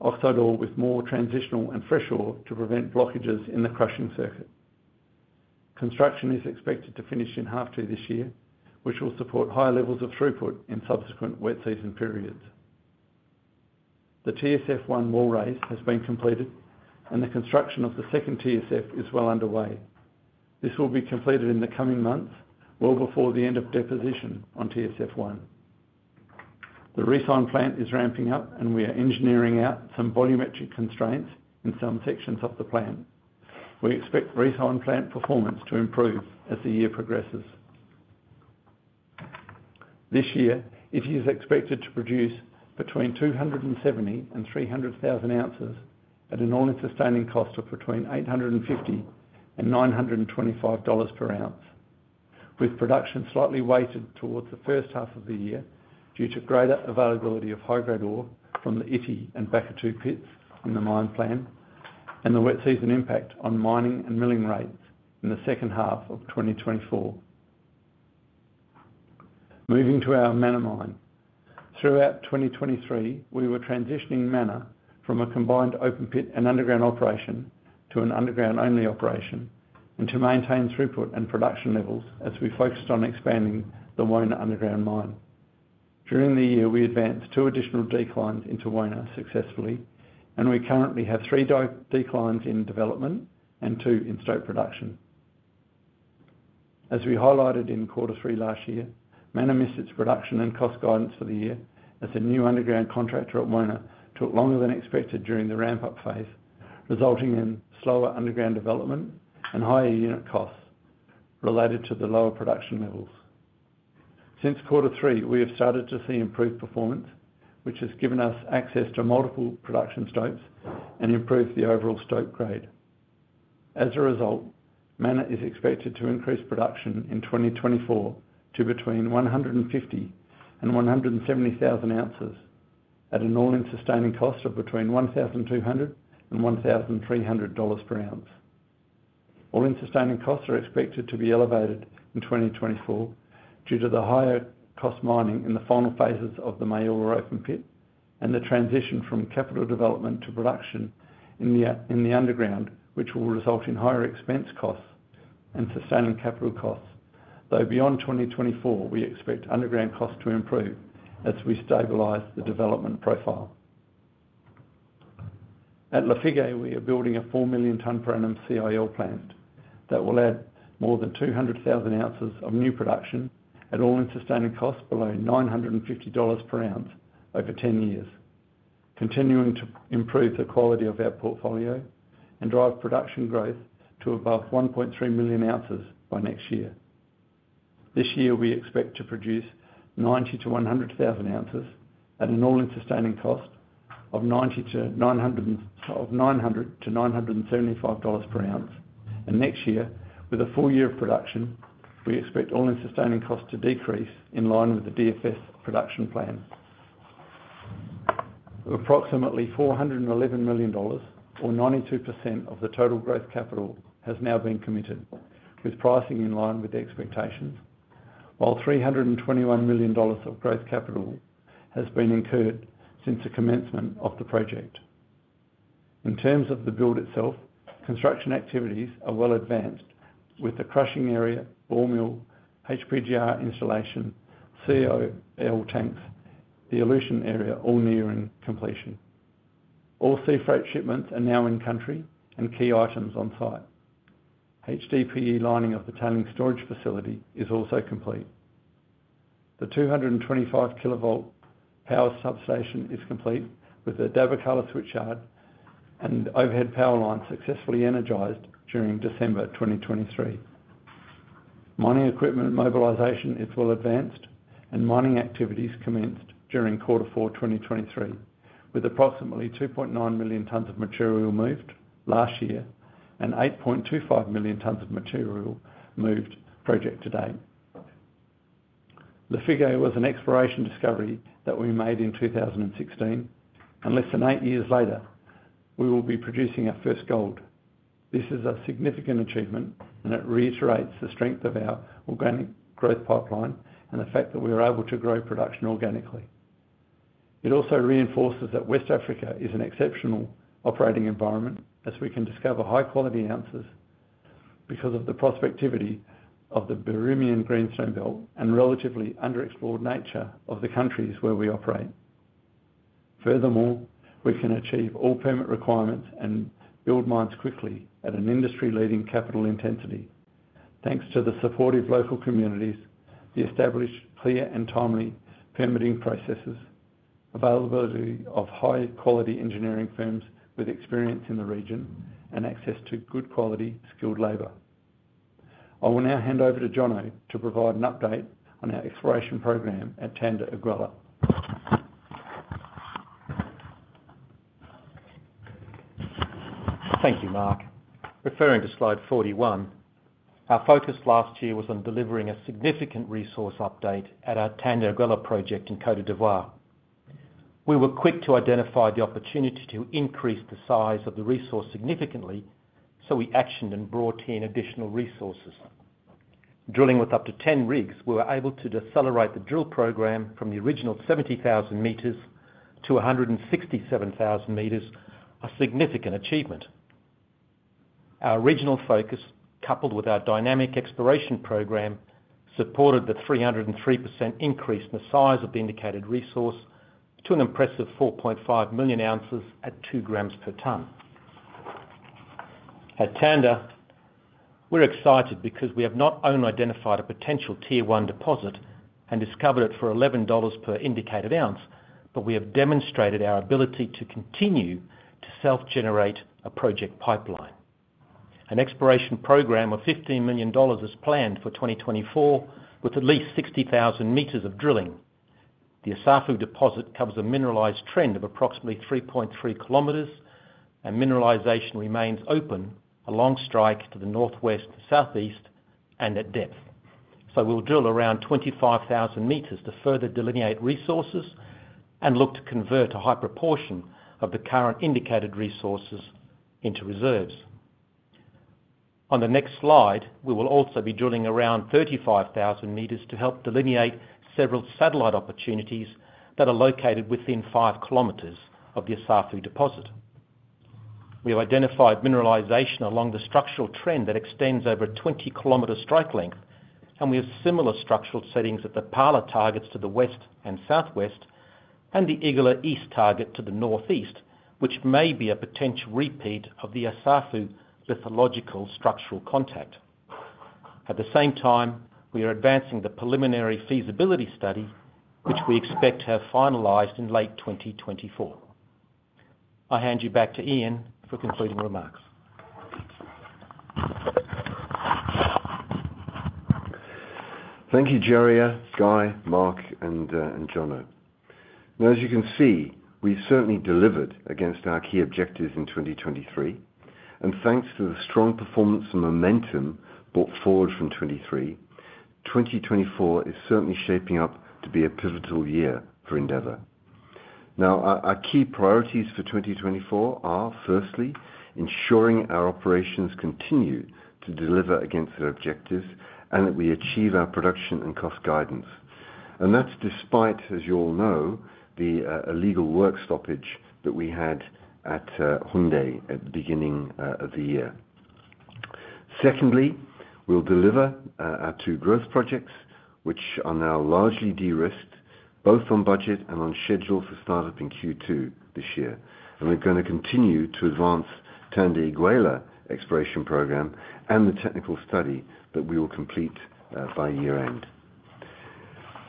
oxide ore with more transitional and fresh ore to prevent blockages in the crushing circuit. Construction is expected to finish in H2 this year, which will support higher levels of throughput in subsequent wet season periods. The TSF 1 wall raise has been completed, and the construction of the second TSF is well underway. This will be completed in the coming months well before the end of deposition on TSF 1. The resin plant is ramping up, and we are engineering out some volumetric constraints in some sections of the plant. We expect resin plant performance to improve as the year progresses. This year, Ity is expected to produce between 270,000-300,000 ounces at an all-in sustaining cost of between $850-$925 per ounce, with production slightly weighted towards the first half of the year due to greater availability of high-grade ore from the Ity and Bakatouo pits in the mine plan and the wet season impact on mining and milling rates in the second half of 2024. Moving to our Mana mine. Throughout 2023, we were transitioning Mana from a combined open pit and underground operation to an underground-only operation and to maintain throughput and production levels as we focused on expanding the Wona underground mine. During the year, we advanced two additional declines into Wona successfully, and we currently have three declines in development and two in stope production. As we highlighted in quarter three last year, Mana missed its production and cost guidance for the year as the new underground contractor at Wona took longer than expected during the ramp-up phase, resulting in slower underground development and higher unit costs related to the lower production levels. Since quarter three, we have started to see improved performance, which has given us access to multiple production stopes and improved the overall stope grade. As a result, Mana is expected to increase production in 2024 to between 150,000-170,000 ounces at an all-in sustaining cost of between $1,200-$1,300 per ounce. All-in sustaining costs are expected to be elevated in 2024 due to the higher cost mining in the final phases of the Maoula open pit and the transition from capital development to production in the underground, which will result in higher expense costs and sustaining capital costs, though beyond 2024, we expect underground costs to improve as we stabilize the development profile. At Lafigué, we are building a 4 million tonne per annum CIL plant that will add more than 200,000 ounces of new production at all-in sustaining costs below $950 per ounce over 10 years, continuing to improve the quality of our portfolio and drive production growth to above 1.3 million ounces by next year. This year, we expect to produce 90,000-100,000 ounces at an all-in sustaining cost of $900-$975 per ounce. Next year, with a full year of production, we expect all-in sustaining costs to decrease in line with the DFS production plan. Approximately $411 million or 92% of the total growth capital has now been committed with pricing in line with expectations, while $321 million of growth capital has been incurred since the commencement of the project. In terms of the build itself, construction activities are well advanced with the crushing area, ball mill, HPGR installation, CIL tanks, the elution area all nearing completion. All sea freight shipments are now in country and key items on site. HDPE lining of the tailings storage facility is also complete. The 225-kilovolt power substation is complete with the Dabakala switchyard and overhead power line successfully energized during December 2023. Mining equipment mobilization is well advanced, and mining activities commenced during quarter four 2023 with approximately 2.9 million tons of material moved last year and 8.25 million tons of material moved project to date. Lafigué was an exploration discovery that we made in 2016, and less than eight years later, we will be producing our first gold. This is a significant achievement, and it reiterates the strength of our organic growth pipeline and the fact that we are able to grow production organically. It also reinforces that West Africa is an exceptional operating environment as we can discover high-quality ounces because of the prospectivity of the Birimian Greenstone Belt and relatively underexplored nature of the countries where we operate. Furthermore, we can achieve all permit requirements and build mines quickly at an industry-leading capital intensity thanks to the supportive local communities, the established clear and timely permitting processes, availability of high-quality engineering firms with experience in the region, and access to good-quality skilled labor. I will now hand over to Jono to provide an update on our exploration program at Tanda-Iguela. Thank you, Mark. Referring to slide 41, our focus last year was on delivering a significant resource update at our Tanda-Iguela project in Côte d'Ivoire. We were quick to identify the opportunity to increase the size of the resource significantly, so we actioned and brought in additional resources. Drilling with up to 10 rigs, we were able to accelerate the drill program from the original 70,000 meters to 167,000 meters, a significant achievement. Our regional focus, coupled with our dynamic exploration program, supported the 303% increase in the size of the indicated resource to an impressive 4.5 million ounces at 2 grams per tonne. At Tanda, we're excited because we have not only identified a potential tier one deposit and discovered it for $11 per indicated ounce, but we have demonstrated our ability to continue to self-generate a project pipeline. An exploration program of $15 million is planned for 2024 with at least 60,000 metres of drilling. The Assafou deposit covers a mineralized trend of approximately 3.3 kilometers, and mineralization remains open along strike to the northwest, southeast, and at depth. So we'll drill around 25,000 metres to further delineate resources and look to convert a high proportion of the current indicated resources into reserves. On the next slide, we will also be drilling around 35,000 meters to help delineate several satellite opportunities that are located within 5 kilometers of the Assafou deposit. We have identified mineralization along the structural trend that extends over a 20-kilometer strike length, and we have similar structural settings at the Pala targets to the west and southwest, and the Iguela East target to the northeast, which may be a potential repeat of the Assafou lithological structural contact. At the same time, we are advancing the preliminary feasibility study, which we expect to have finalized in late 2024. I hand you back to Ian for concluding remarks. Thank you, Djaria, Guy, Mark, and Jono. As you can see, we've certainly delivered against our key objectives in 2023, and thanks to the strong performance and momentum brought forward from 2023, 2024 is certainly shaping up to be a pivotal year for Endeavour. Now, our key priorities for 2024 are, firstly, ensuring our operations continue to deliver against their objectives and that we achieve our production and cost guidance. And that's despite, as you all know, the illegal work stoppage that we had at Houndé at the beginning of the year. Secondly, we'll deliver our two growth projects, which are now largely de-risked, both on budget and on schedule for startup in Q2 this year. And we're going to continue to advance Tanda-Iguela exploration program and the technical study that we will complete by year-end.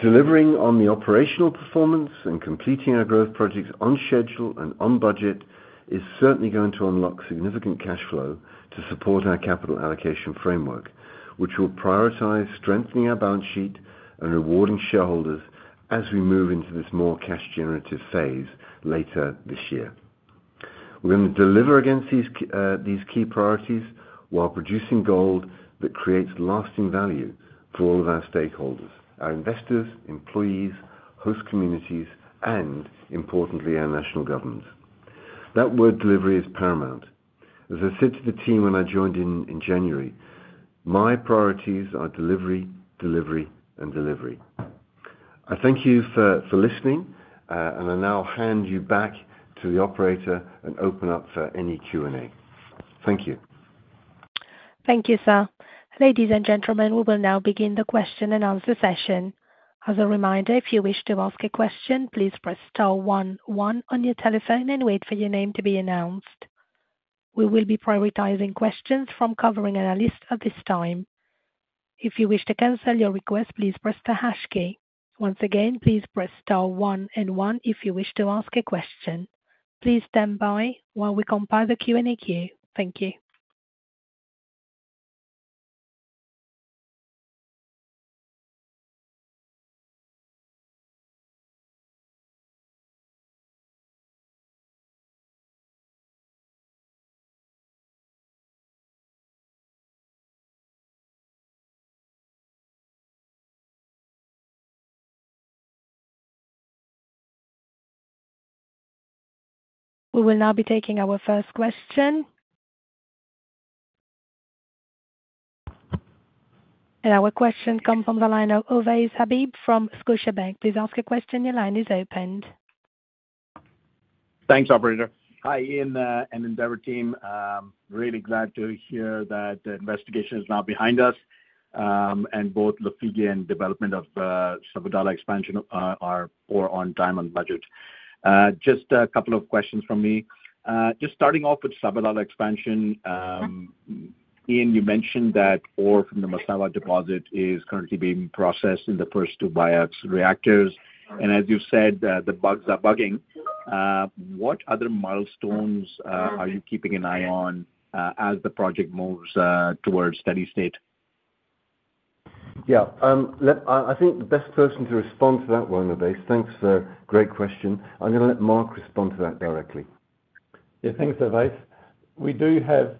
Delivering on the operational performance and completing our growth projects on schedule and on budget is certainly going to unlock significant cash flow to support our capital allocation framework, which will prioritize strengthening our balance sheet and rewarding shareholders as we move into this more cash-generative phase later this year. We're going to deliver against these key priorities while producing gold that creates lasting value for all of our stakeholders: our investors, employees, host communities, and importantly, our national governments. That word delivery is paramount. As I said to the team when I joined in January, my priorities are delivery, delivery, and delivery. I thank you for listening, and I now hand you back to the operator and open up for any Q&A. Thank you. Thank you, sir. Ladies and gentlemen, we will now begin the question and answer session. As a reminder, if you wish to ask a question, please press star one one on your telephone and wait for your name to be announced. We will be prioritizing questions from covering analysts at this time. If you wish to cancel your request, please press the hash key. Once again, please press star one and one if you wish to ask a question. Please stand by while we compile the Q&A queue. Thank you. We will now be taking our first question. Our question comes from the line of Ovais Habib from Scotiabank. Please ask a question. Your line is open. Thanks, operator. Hi, Ian and Endeavour team. Really glad to hear that the investigation is now behind us, and both Lafigué and development of Sabadala expansion are on par on time and budget. Just a couple of questions from me. Just starting off with Sabadala expansion, Ian, you mentioned that ore from the Massawa deposit is currently being processed in the first two BIOX reactors. And as you've said, the bugs are bugging. What other milestones are you keeping an eye on as the project moves towards steady state? Yeah. I think the best person to respond to that one, Ovais, thanks for a great question. I'm going to let Mark respond to that directly. Yeah, thanks, Ovais. We do have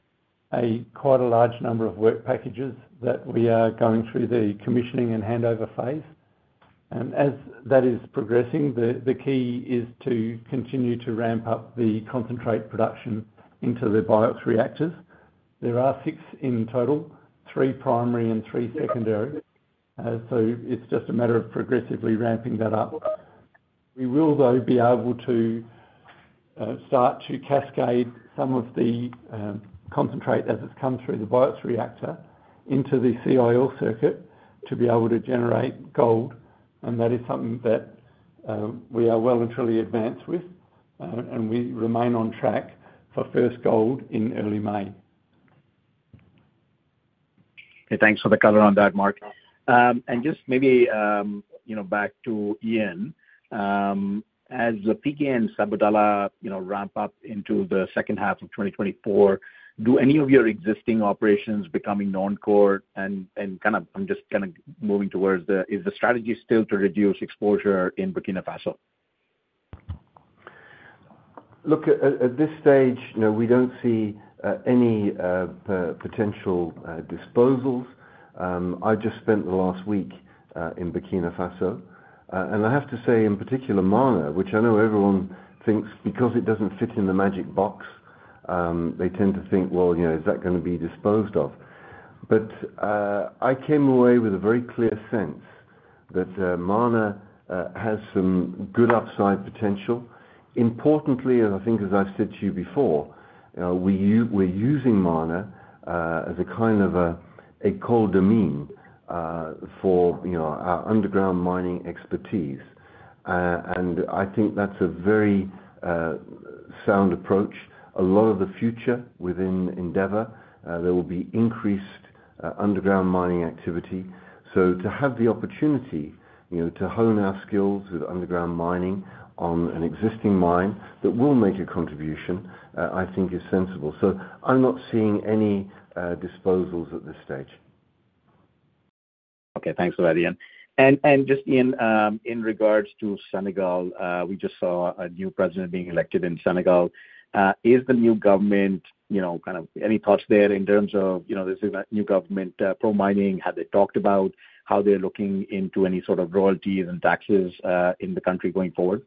quite a large number of work packages that we are going through the commissioning and handover phase. And as that is progressing, the key is to continue to ramp up the concentrate production into the BIOX reactors. There are six in total, three primary and three secondary. So it's just a matter of progressively ramping that up. We will, though, be able to start to cascade some of the concentrate as it's come through the BIOX reactor into the CIL circuit to be able to generate gold. And that is something that we are well and truly advanced with, and we remain on track for first gold in early May. Okay. Thanks for the color on that, Mark. And just maybe back to Ian, as Lafigué and Sabadala ramp up into the second half of 2024, do any of your existing operations becoming non-core? And I'm just kind of moving towards the is the strategy still to reduce exposure in Burkina Faso? Look, at this stage, we don't see any potential disposals. I just spent the last week in Burkina Faso. I have to say, in particular, Mana, which I know everyone thinks because it doesn't fit in the magic box, they tend to think, "Well, is that going to be disposed of?" But I came away with a very clear sense that Mana has some good upside potential. Importantly, I think, as I've said to you before, we're using Mana as a kind of a cold mine for our underground mining expertise. And I think that's a very sound approach. A lot of the future within Endeavour, there will be increased underground mining activity. So to have the opportunity to hone our skills with underground mining on an existing mine that will make a contribution, I think, is sensible. So I'm not seeing any disposals at this stage. Okay. Thanks for that, Ian. Just, Ian, in regards to Senegal, we just saw a new president being elected in Senegal. Is the new government kind of any thoughts there in terms of this new government pro-mining? Have they talked about how they're looking into any sort of royalties and taxes in the country going forward?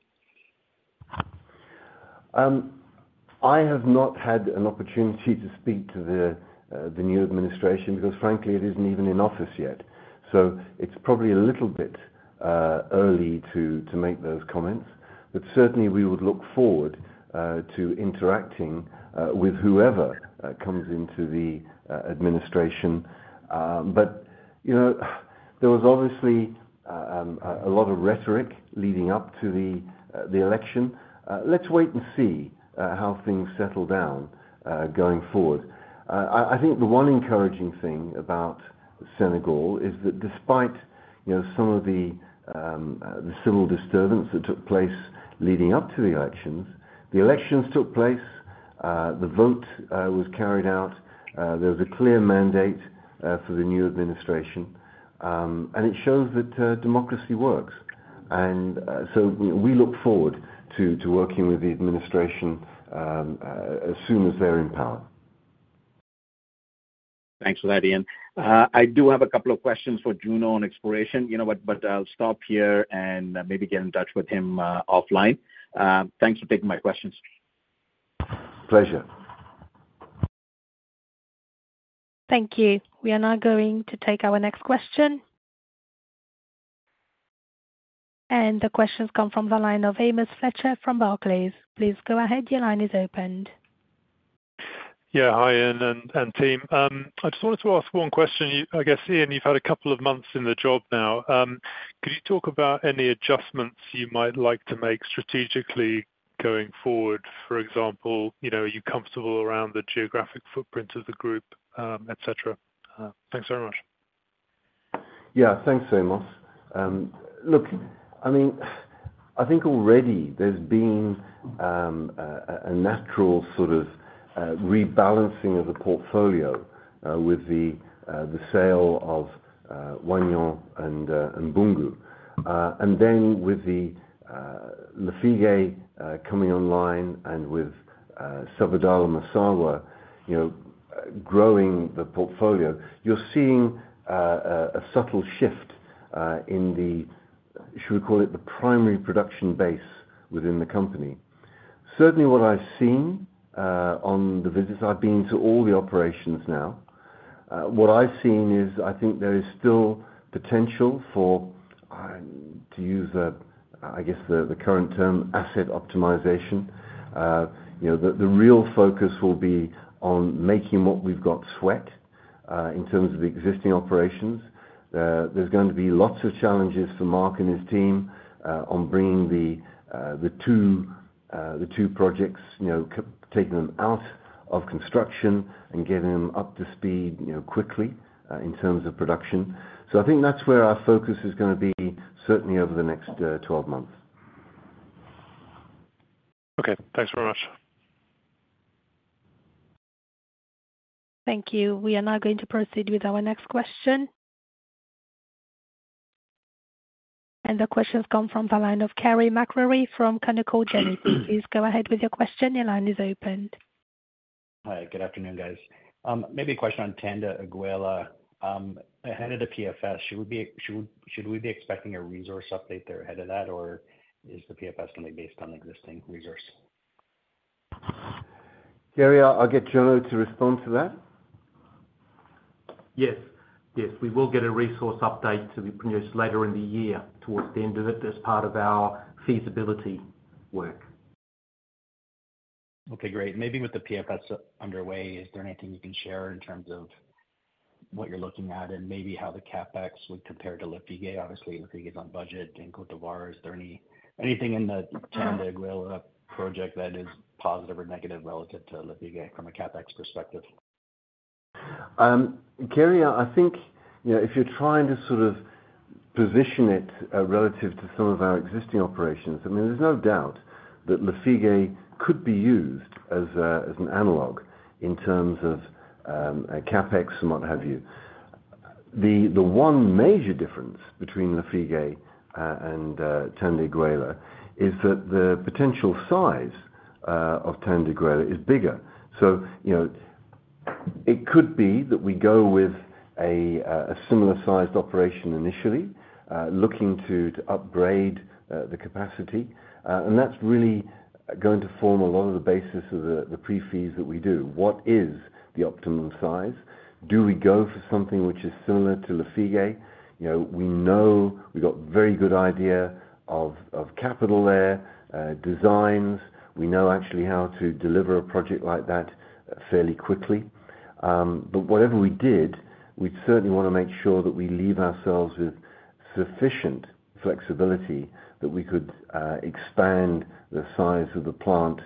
I have not had an opportunity to speak to the new administration because, frankly, it isn't even in office yet. It's probably a little bit early to make those comments. Certainly, we would look forward to interacting with whoever comes into the administration. There was obviously a lot of rhetoric leading up to the election. Let's wait and see how things settle down going forward. I think the one encouraging thing about Senegal is that despite some of the civil disturbance that took place leading up to the elections, the elections took place, the vote was carried out, there was a clear mandate for the new administration, and it shows that democracy works. And so we look forward to working with the administration as soon as they're in power. Thanks for that, Ian. I do have a couple of questions for Jono on exploration, but I'll stop here and maybe get in touch with him offline. Thanks for taking my questions. Pleasure. Thank you. We are now going to take our next question. And the questions come from the line of Amos Fletcher from Barclays. Please go ahead. Your line is open. Yeah. Hi, Ian and team. I just wanted to ask one question. I guess, Ian, you've had a couple of months in the job now. Could you talk about any adjustments you might like to make strategically going forward? For example, are you comfortable around the geographic footprint of the group, etc.? Thanks very much. Yeah. Thanks, Amos. Look, I mean, I think already there's been a natural sort of rebalancing of the portfolio with the sale of Wahgnion and Boungou. And then with Lafigué coming online and with Sabadala-Massawa growing the portfolio, you're seeing a subtle shift in the, should we call it, the primary production base within the company? Certainly, what I've seen on the visits I've been to all the operations now, what I've seen is I think there is still potential for, to use I guess the current term, asset optimization. The real focus will be on making what we've got sweat in terms of the existing operations. There's going to be lots of challenges for Mark and his team on bringing the two projects, taking them out of construction and getting them up to speed quickly in terms of production. So I think that's where our focus is going to be, certainly, over the next 12 months. Okay. Thanks very much. Thank you. We are now going to proceed with our next question. The questions come from the line of Carey MacRury from Canaccord Genuity. Please go ahead with your question. Your line is open. Hi. Good afternoon, guys. Maybe a question on Tanda-Iguela. Ahead of the PFS, should we be expecting a resource update there ahead of that, or is the PFS going to be based on existing resource? Djaria, I'll get Jono to respond to that. Yes. Yes. We will get a resource update to be produced later in the year towards the end of it as part of our feasibility work. Okay. Great. Maybe with the PFS underway, is there anything you can share in terms of what you're looking at and maybe how the CapEx would compare to Lafigué? Obviously, Lafigué's on budget. In Côte d'Ivoire, is there anything in the Tanda-Iguela project that is positive or negative relative to Lafigué from a CapEx perspective? Djaria, I think if you're trying to sort of position it relative to some of our existing operations, I mean, there's no doubt that Lafigué could be used as an analogue in terms of CapEx and what have you. The one major difference between Lafigué and Tanda-Iguela is that the potential size of Tanda-Iguela is bigger. So it could be that we go with a similar-sized operation initially, looking to upgrade the capacity. And that's really going to form a lot of the basis of the PFS that we do. What is the optimum size? Do we go for something which is similar to Lafigué? We know we've got a very good idea of capital there, designs. We know actually how to deliver a project like that fairly quickly. But whatever we did, we'd certainly want to make sure that we leave ourselves with sufficient flexibility that we could expand the size of the plant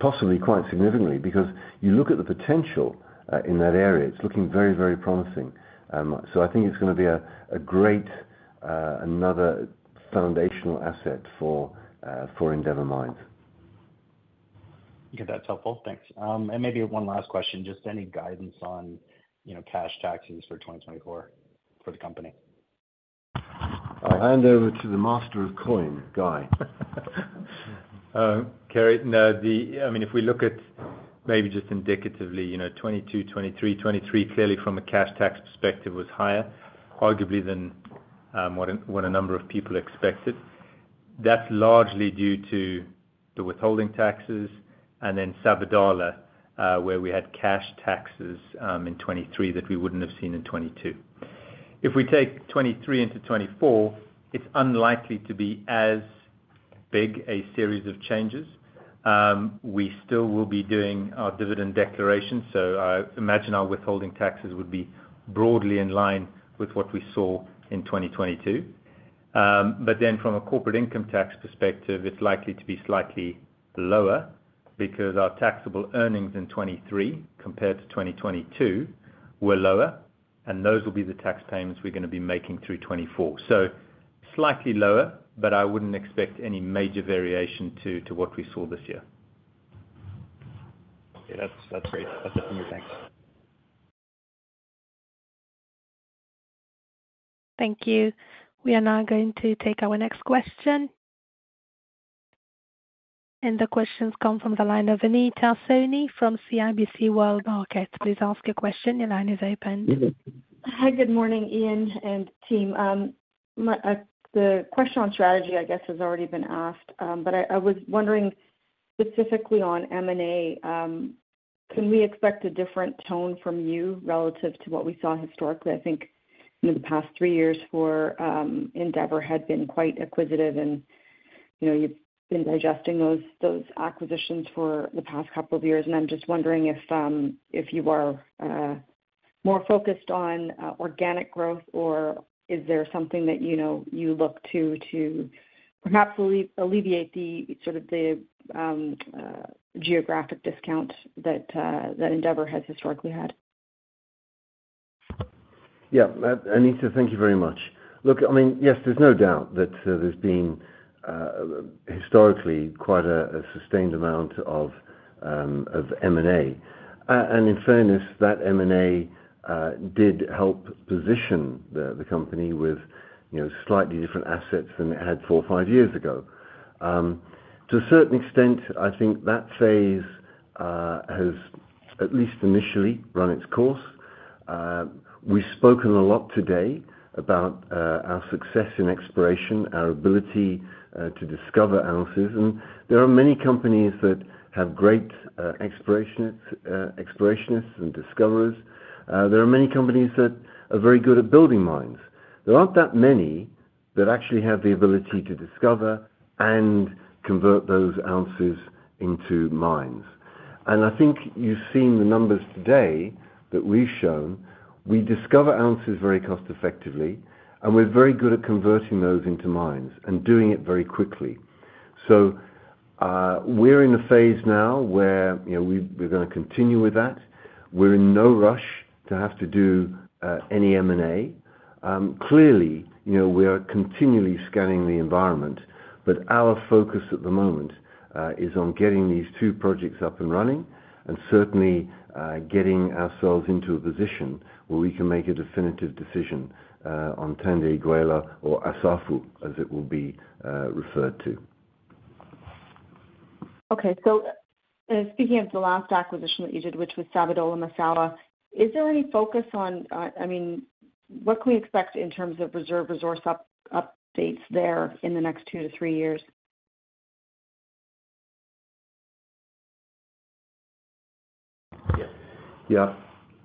possibly quite significantly because you look at the potential in that area. It's looking very, very promising. So I think it's going to be another foundational asset for Endeavour Mining. Okay. That's helpful. Thanks. And maybe one last question, just any guidance on cash taxes for 2024 for the company? I hand over to the master of coin, Guy. Carey, I mean, if we look at maybe just indicatively, 2022, 2023, 2023 clearly from a cash tax perspective was higher, arguably, than what a number of people expected. That's largely due to the withholding taxes and then Sabadala where we had cash taxes in 2023 that we wouldn't have seen in 2022. If we take 2023 into 2024, it's unlikely to be as big a series of changes. We still will be doing our dividend declaration, so I imagine our withholding taxes would be broadly in line with what we saw in 2022. But then from a corporate income tax perspective, it's likely to be slightly lower because our taxable earnings in 2023 compared to 2022 were lower, and those will be the tax payments we're going to be making through 2024. So slightly lower, but I wouldn't expect any major variation to what we saw this year. Yeah. That's great. That's a figure. Thanks. Thank you. We are now going to take our next question. And the question comes from the line of Anita Soni from CIBC World Markets. Please ask your question. Your line is open. Hi. Good morning, Ian and team. The question on strategy, I guess, has already been asked, but I was wondering specifically on M&A, can we expect a different tone from you relative to what we saw historically? I think the past three years for Endeavour had been quite acquisitive, and you've been digesting those acquisitions for the past couple of years. And I'm just wondering if you are more focused on organic growth, or is there something that you look to perhaps alleviate sort of the geographic discount that Endeavour has historically had? Yeah. Anita, thank you very much. Look, I mean, yes, there's no doubt that there's been historically quite a sustained amount of M&A. In fairness, that M&A did help position the company with slightly different assets than it had four, five years ago. To a certain extent, I think that phase has at least initially run its course. We've spoken a lot today about our success in exploration, our ability to discover ounces. There are many companies that have great explorationists and discoverers. There are many companies that are very good at building mines. There aren't that many that actually have the ability to discover and convert those ounces into mines. I think you've seen the numbers today that we've shown. We discover ounces very cost-effectively, and we're very good at converting those into mines and doing it very quickly. So we're in a phase now where we're going to continue with that. We're in no rush to have to do any M&A. Clearly, we are continually scanning the environment, but our focus at the moment is on getting these two projects up and running and certainly getting ourselves into a position where we can make a definitive decision on Tanda-Iguela or Assafou, as it will be referred to. Okay. So speaking of the last acquisition that you did, which was Sabadala-Massawa, is there any focus on—I mean, what can we expect in terms of reserve resource updates there in the next 2-3 years? Yeah.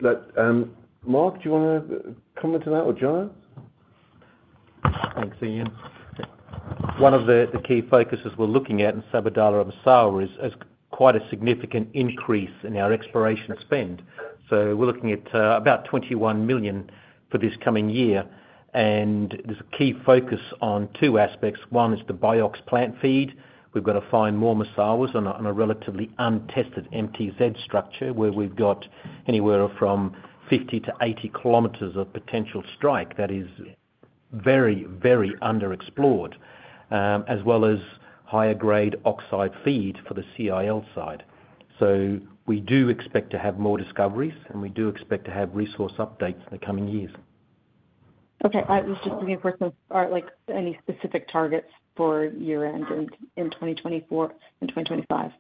Yeah. Mark, do you want to comment on that or Jono? Thanks, Ian. One of the key focuses we're looking at in Sabadala-Massawa is quite a significant increase in our exploration spend. So we're looking at about $21 million for this coming year. And there's a key focus on two aspects. One is the BIOX plant feed. We've got to find more Massawas on a relatively untested MTZ structure where we've got anywhere from 50-80 kilometers of potential strike. That is very, very underexplored, as well as higher-grade oxide feed for the CIL side. So we do expect to have more discoveries, and we do expect to have resource updates in the coming years. Okay. I was just thinking first of any specific targets for year-end in 2024 and 2025.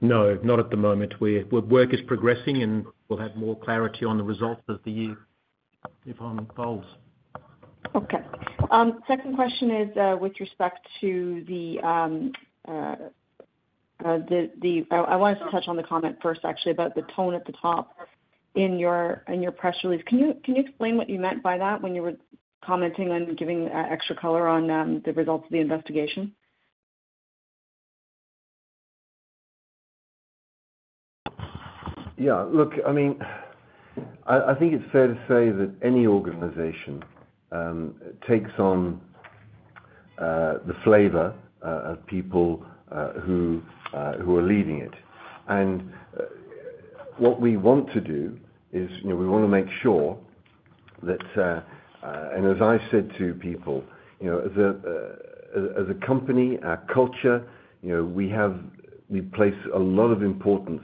No, not at the moment. Work is progressing, and we'll have more clarity on the results as the year unfolds. Okay. Second question is with respect to, I wanted to touch on the comment first, actually, about the tone at the top in your press release. Can you explain what you meant by that when you were commenting on giving extra color on the results of the investigation? Yeah. Look, I mean, I think it's fair to say that any organization takes on the flavor of people who are leading it. And what we want to do is we want to make sure that and as I said to people, as a company, our culture, we place a lot of importance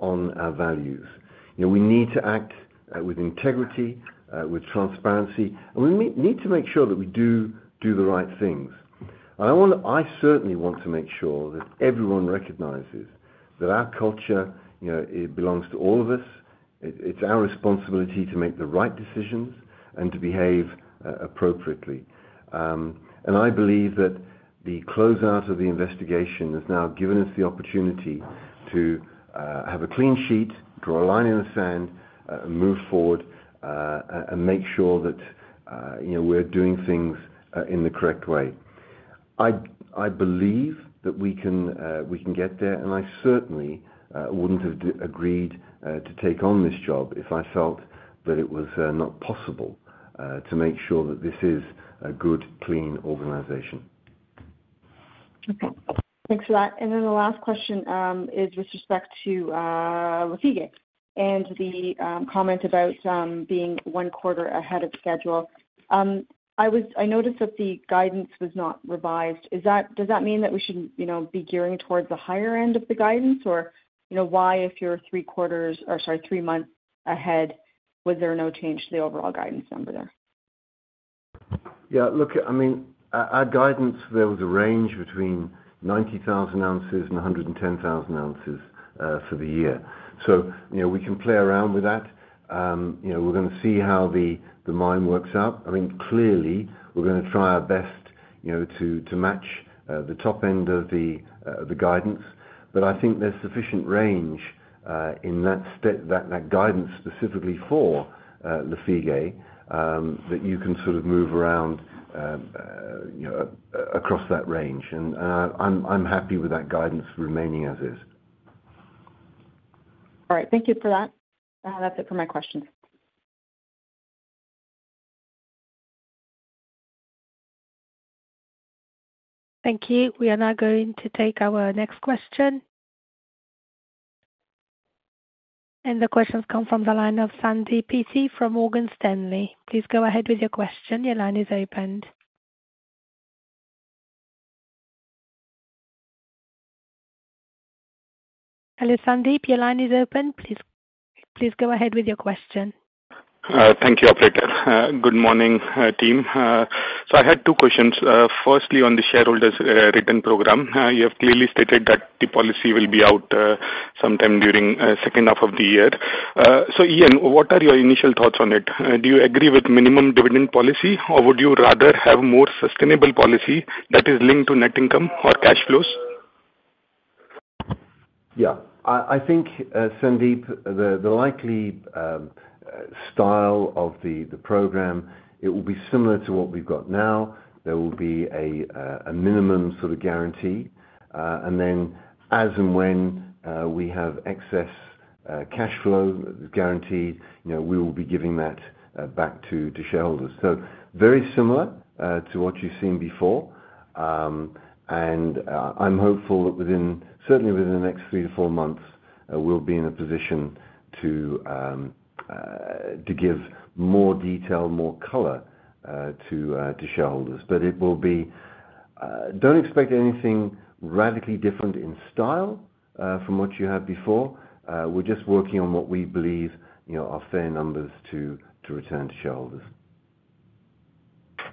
on our values. We need to act with integrity, with transparency, and we need to make sure that we do the right things. And I certainly want to make sure that everyone recognizes that our culture, it belongs to all of us. It's our responsibility to make the right decisions and to behave appropriately. And I believe that the closeout of the investigation has now given us the opportunity to have a clean sheet, draw a line in the sand, move forward, and make sure that we're doing things in the correct way. I believe that we can get there, and I certainly wouldn't have agreed to take on this job if I felt that it was not possible to make sure that this is a good, clean organization. Okay. Thanks for that. And then the last question is with respect to Lafigué and the comment about being one quarter ahead of schedule. I noticed that the guidance was not revised. Does that mean that we shouldn't be gearing towards the higher end of the guidance, or why if you're three quarters or sorry, three months ahead, was there no change to the overall guidance number there? Yeah. Look, I mean, our guidance, there was a range between 90,000 ounces and 110,000 ounces for the year. So we can play around with that. We're going to see how the mine works out. I mean, clearly, we're going to try our best to match the top end of the guidance. But I think there's sufficient range in that guidance specifically for Lafigué that you can sort of move around across that range. And I'm happy with that guidance remaining as is. All right. Thank you for that. That's it for my questions. Thank you. We are now going to take our next question. And the questions come from the line of Sandeep Peeti from Morgan Stanley. Please go ahead with your question. Your line is opened. 1Hello, Sandeep. Your line is open. Please go ahead with your question. Thank you, Operator. Good morning, team. So I had two questions. Firstly, on the shareholders' written program, you have clearly stated that the policy will be out sometime during the second half of the year. So Ian, what are your initial thoughts on it? Do you agree with minimum dividend policy, or would you rather have more sustainable policy that is linked to net income or cash flows? Yeah. I think, Sandeep, the likely style of the program, it will be similar to what we've got now. There will be a minimum sort of guarantee. And then as and when we have excess cash flow guaranteed, we will be giving that back to the shareholders. So very similar to what you've seen before. And I'm hopeful that certainly within the next 3-4 months, we'll be in a position to give more detail, more color to shareholders. But it will be, don't expect anything radically different in style from what you had before. We're just working on what we believe are fair numbers to return to shareholders.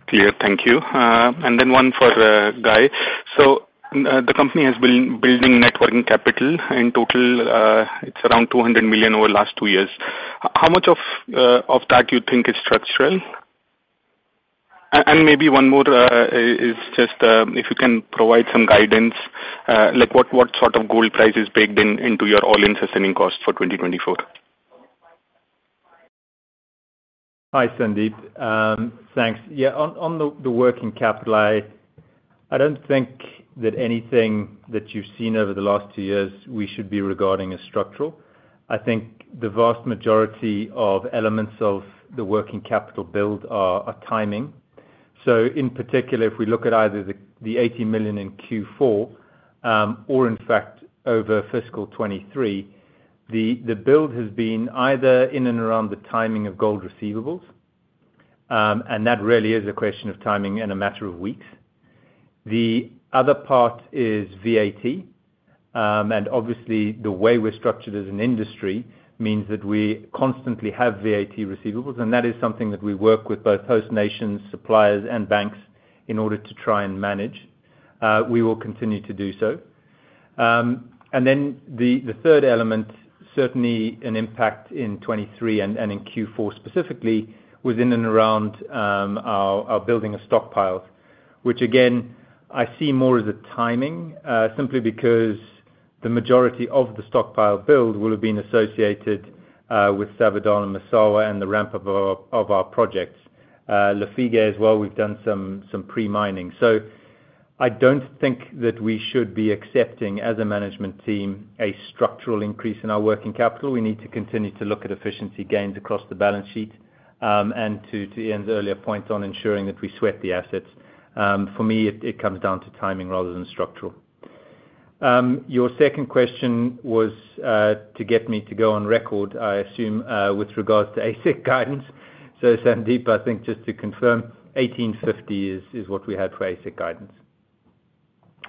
Clear. Thank you. And then one for Guy. So the company has been building working capital. In total, it's around $200 million over the last two years. How much of that you think is structural? And maybe one more is just if you can provide some guidance, what sort of gold price is baked into your all-in sustaining cost for 2024? Hi, Sandeep. Thanks. Yeah. On the working capital, I don't think that anything that you've seen over the last two years, we should be regarding as structural. I think the vast majority of elements of the working capital build are timing. So in particular, if we look at either the $80 million in Q4 or, in fact, over fiscal 2023, the build has been either in and around the timing of gold receivables, and that really is a question of timing in a matter of weeks. The other part is VAT. And obviously, the way we're structured as an industry means that we constantly have VAT receivables, and that is something that we work with both host nations, suppliers, and banks in order to try and manage. We will continue to do so. And then the third element, certainly an impact in 2023 and in Q4 specifically, was in and around our building of stockpiles, which, again, I see more as a timing simply because the majority of the stockpile build will have been associated with Sabadala-Massawa and the ramp-up of our projects. Lafigué as well, we've done some pre-mining. So I don't think that we should be accepting, as a management team, a structural increase in our working capital. We need to continue to look at efficiency gains across the balance sheet and to Ian's earlier point on ensuring that we sweat the assets. For me, it comes down to timing rather than structural. Your second question was to get me to go on record, I assume, with regards to AISC guidance. So, Sandeep, I think just to confirm, 1,850 is what we had for AISC guidance.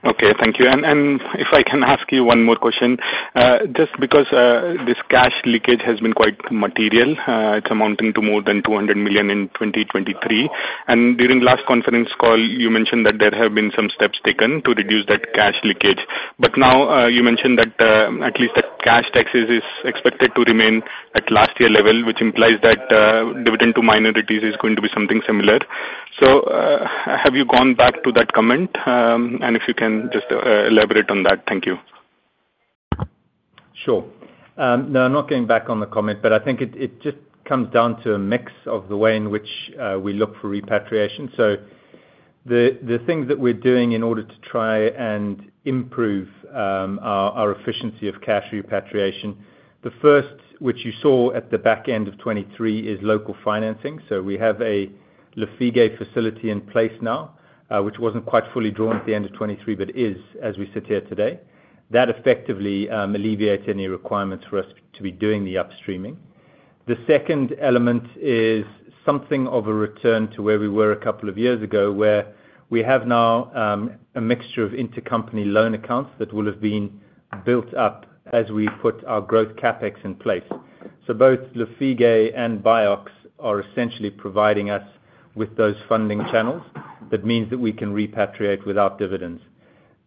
Okay. Thank you. And if I can ask you one more question, just because this cash leakage has been quite material, it's amounting to more than $200 million in 2023. And during the last conference call, you mentioned that there have been some steps taken to reduce that cash leakage. But now you mentioned that at least the cash taxes is expected to remain at last-year level, which implies that dividend to minorities is going to be something similar. So have you gone back to that comment? And if you can just elaborate on that. Thank you. Sure. No, I'm not going back on the comment, but I think it just comes down to a mix of the way in which we look for repatriation. So the things that we're doing in order to try and improve our efficiency of cash repatriation, the first, which you saw at the back end of 2023, is local financing. So we have a Lafigué facility in place now, which wasn't quite fully drawn at the end of 2023 but is as we sit here today. That effectively alleviates any requirements for us to be doing the upstreaming. The second element is something of a return to where we were a couple of years ago where we have now a mixture of intercompany loan accounts that will have been built up as we put our growth capex in place. So both Lafigué and BIOX are essentially providing us with those funding channels. That means that we can repatriate without dividends.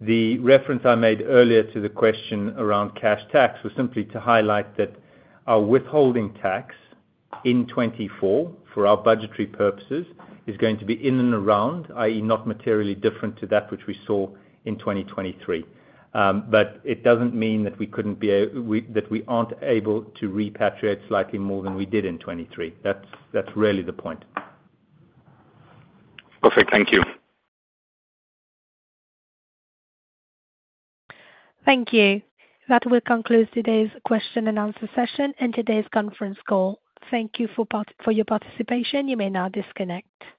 The reference I made earlier to the question around cash tax was simply to highlight that our withholding tax in 2024 for our budgetary purposes is going to be in and around, i.e., not materially different to that which we saw in 2023. But it doesn't mean that we couldn't be that we aren't able to repatriate slightly more than we did in 2023. That's really the point. Perfect. Thank you. Thank you. That will conclude today's question-and-answer session and today's conference call. Thank you for your participation. You may now disconnect.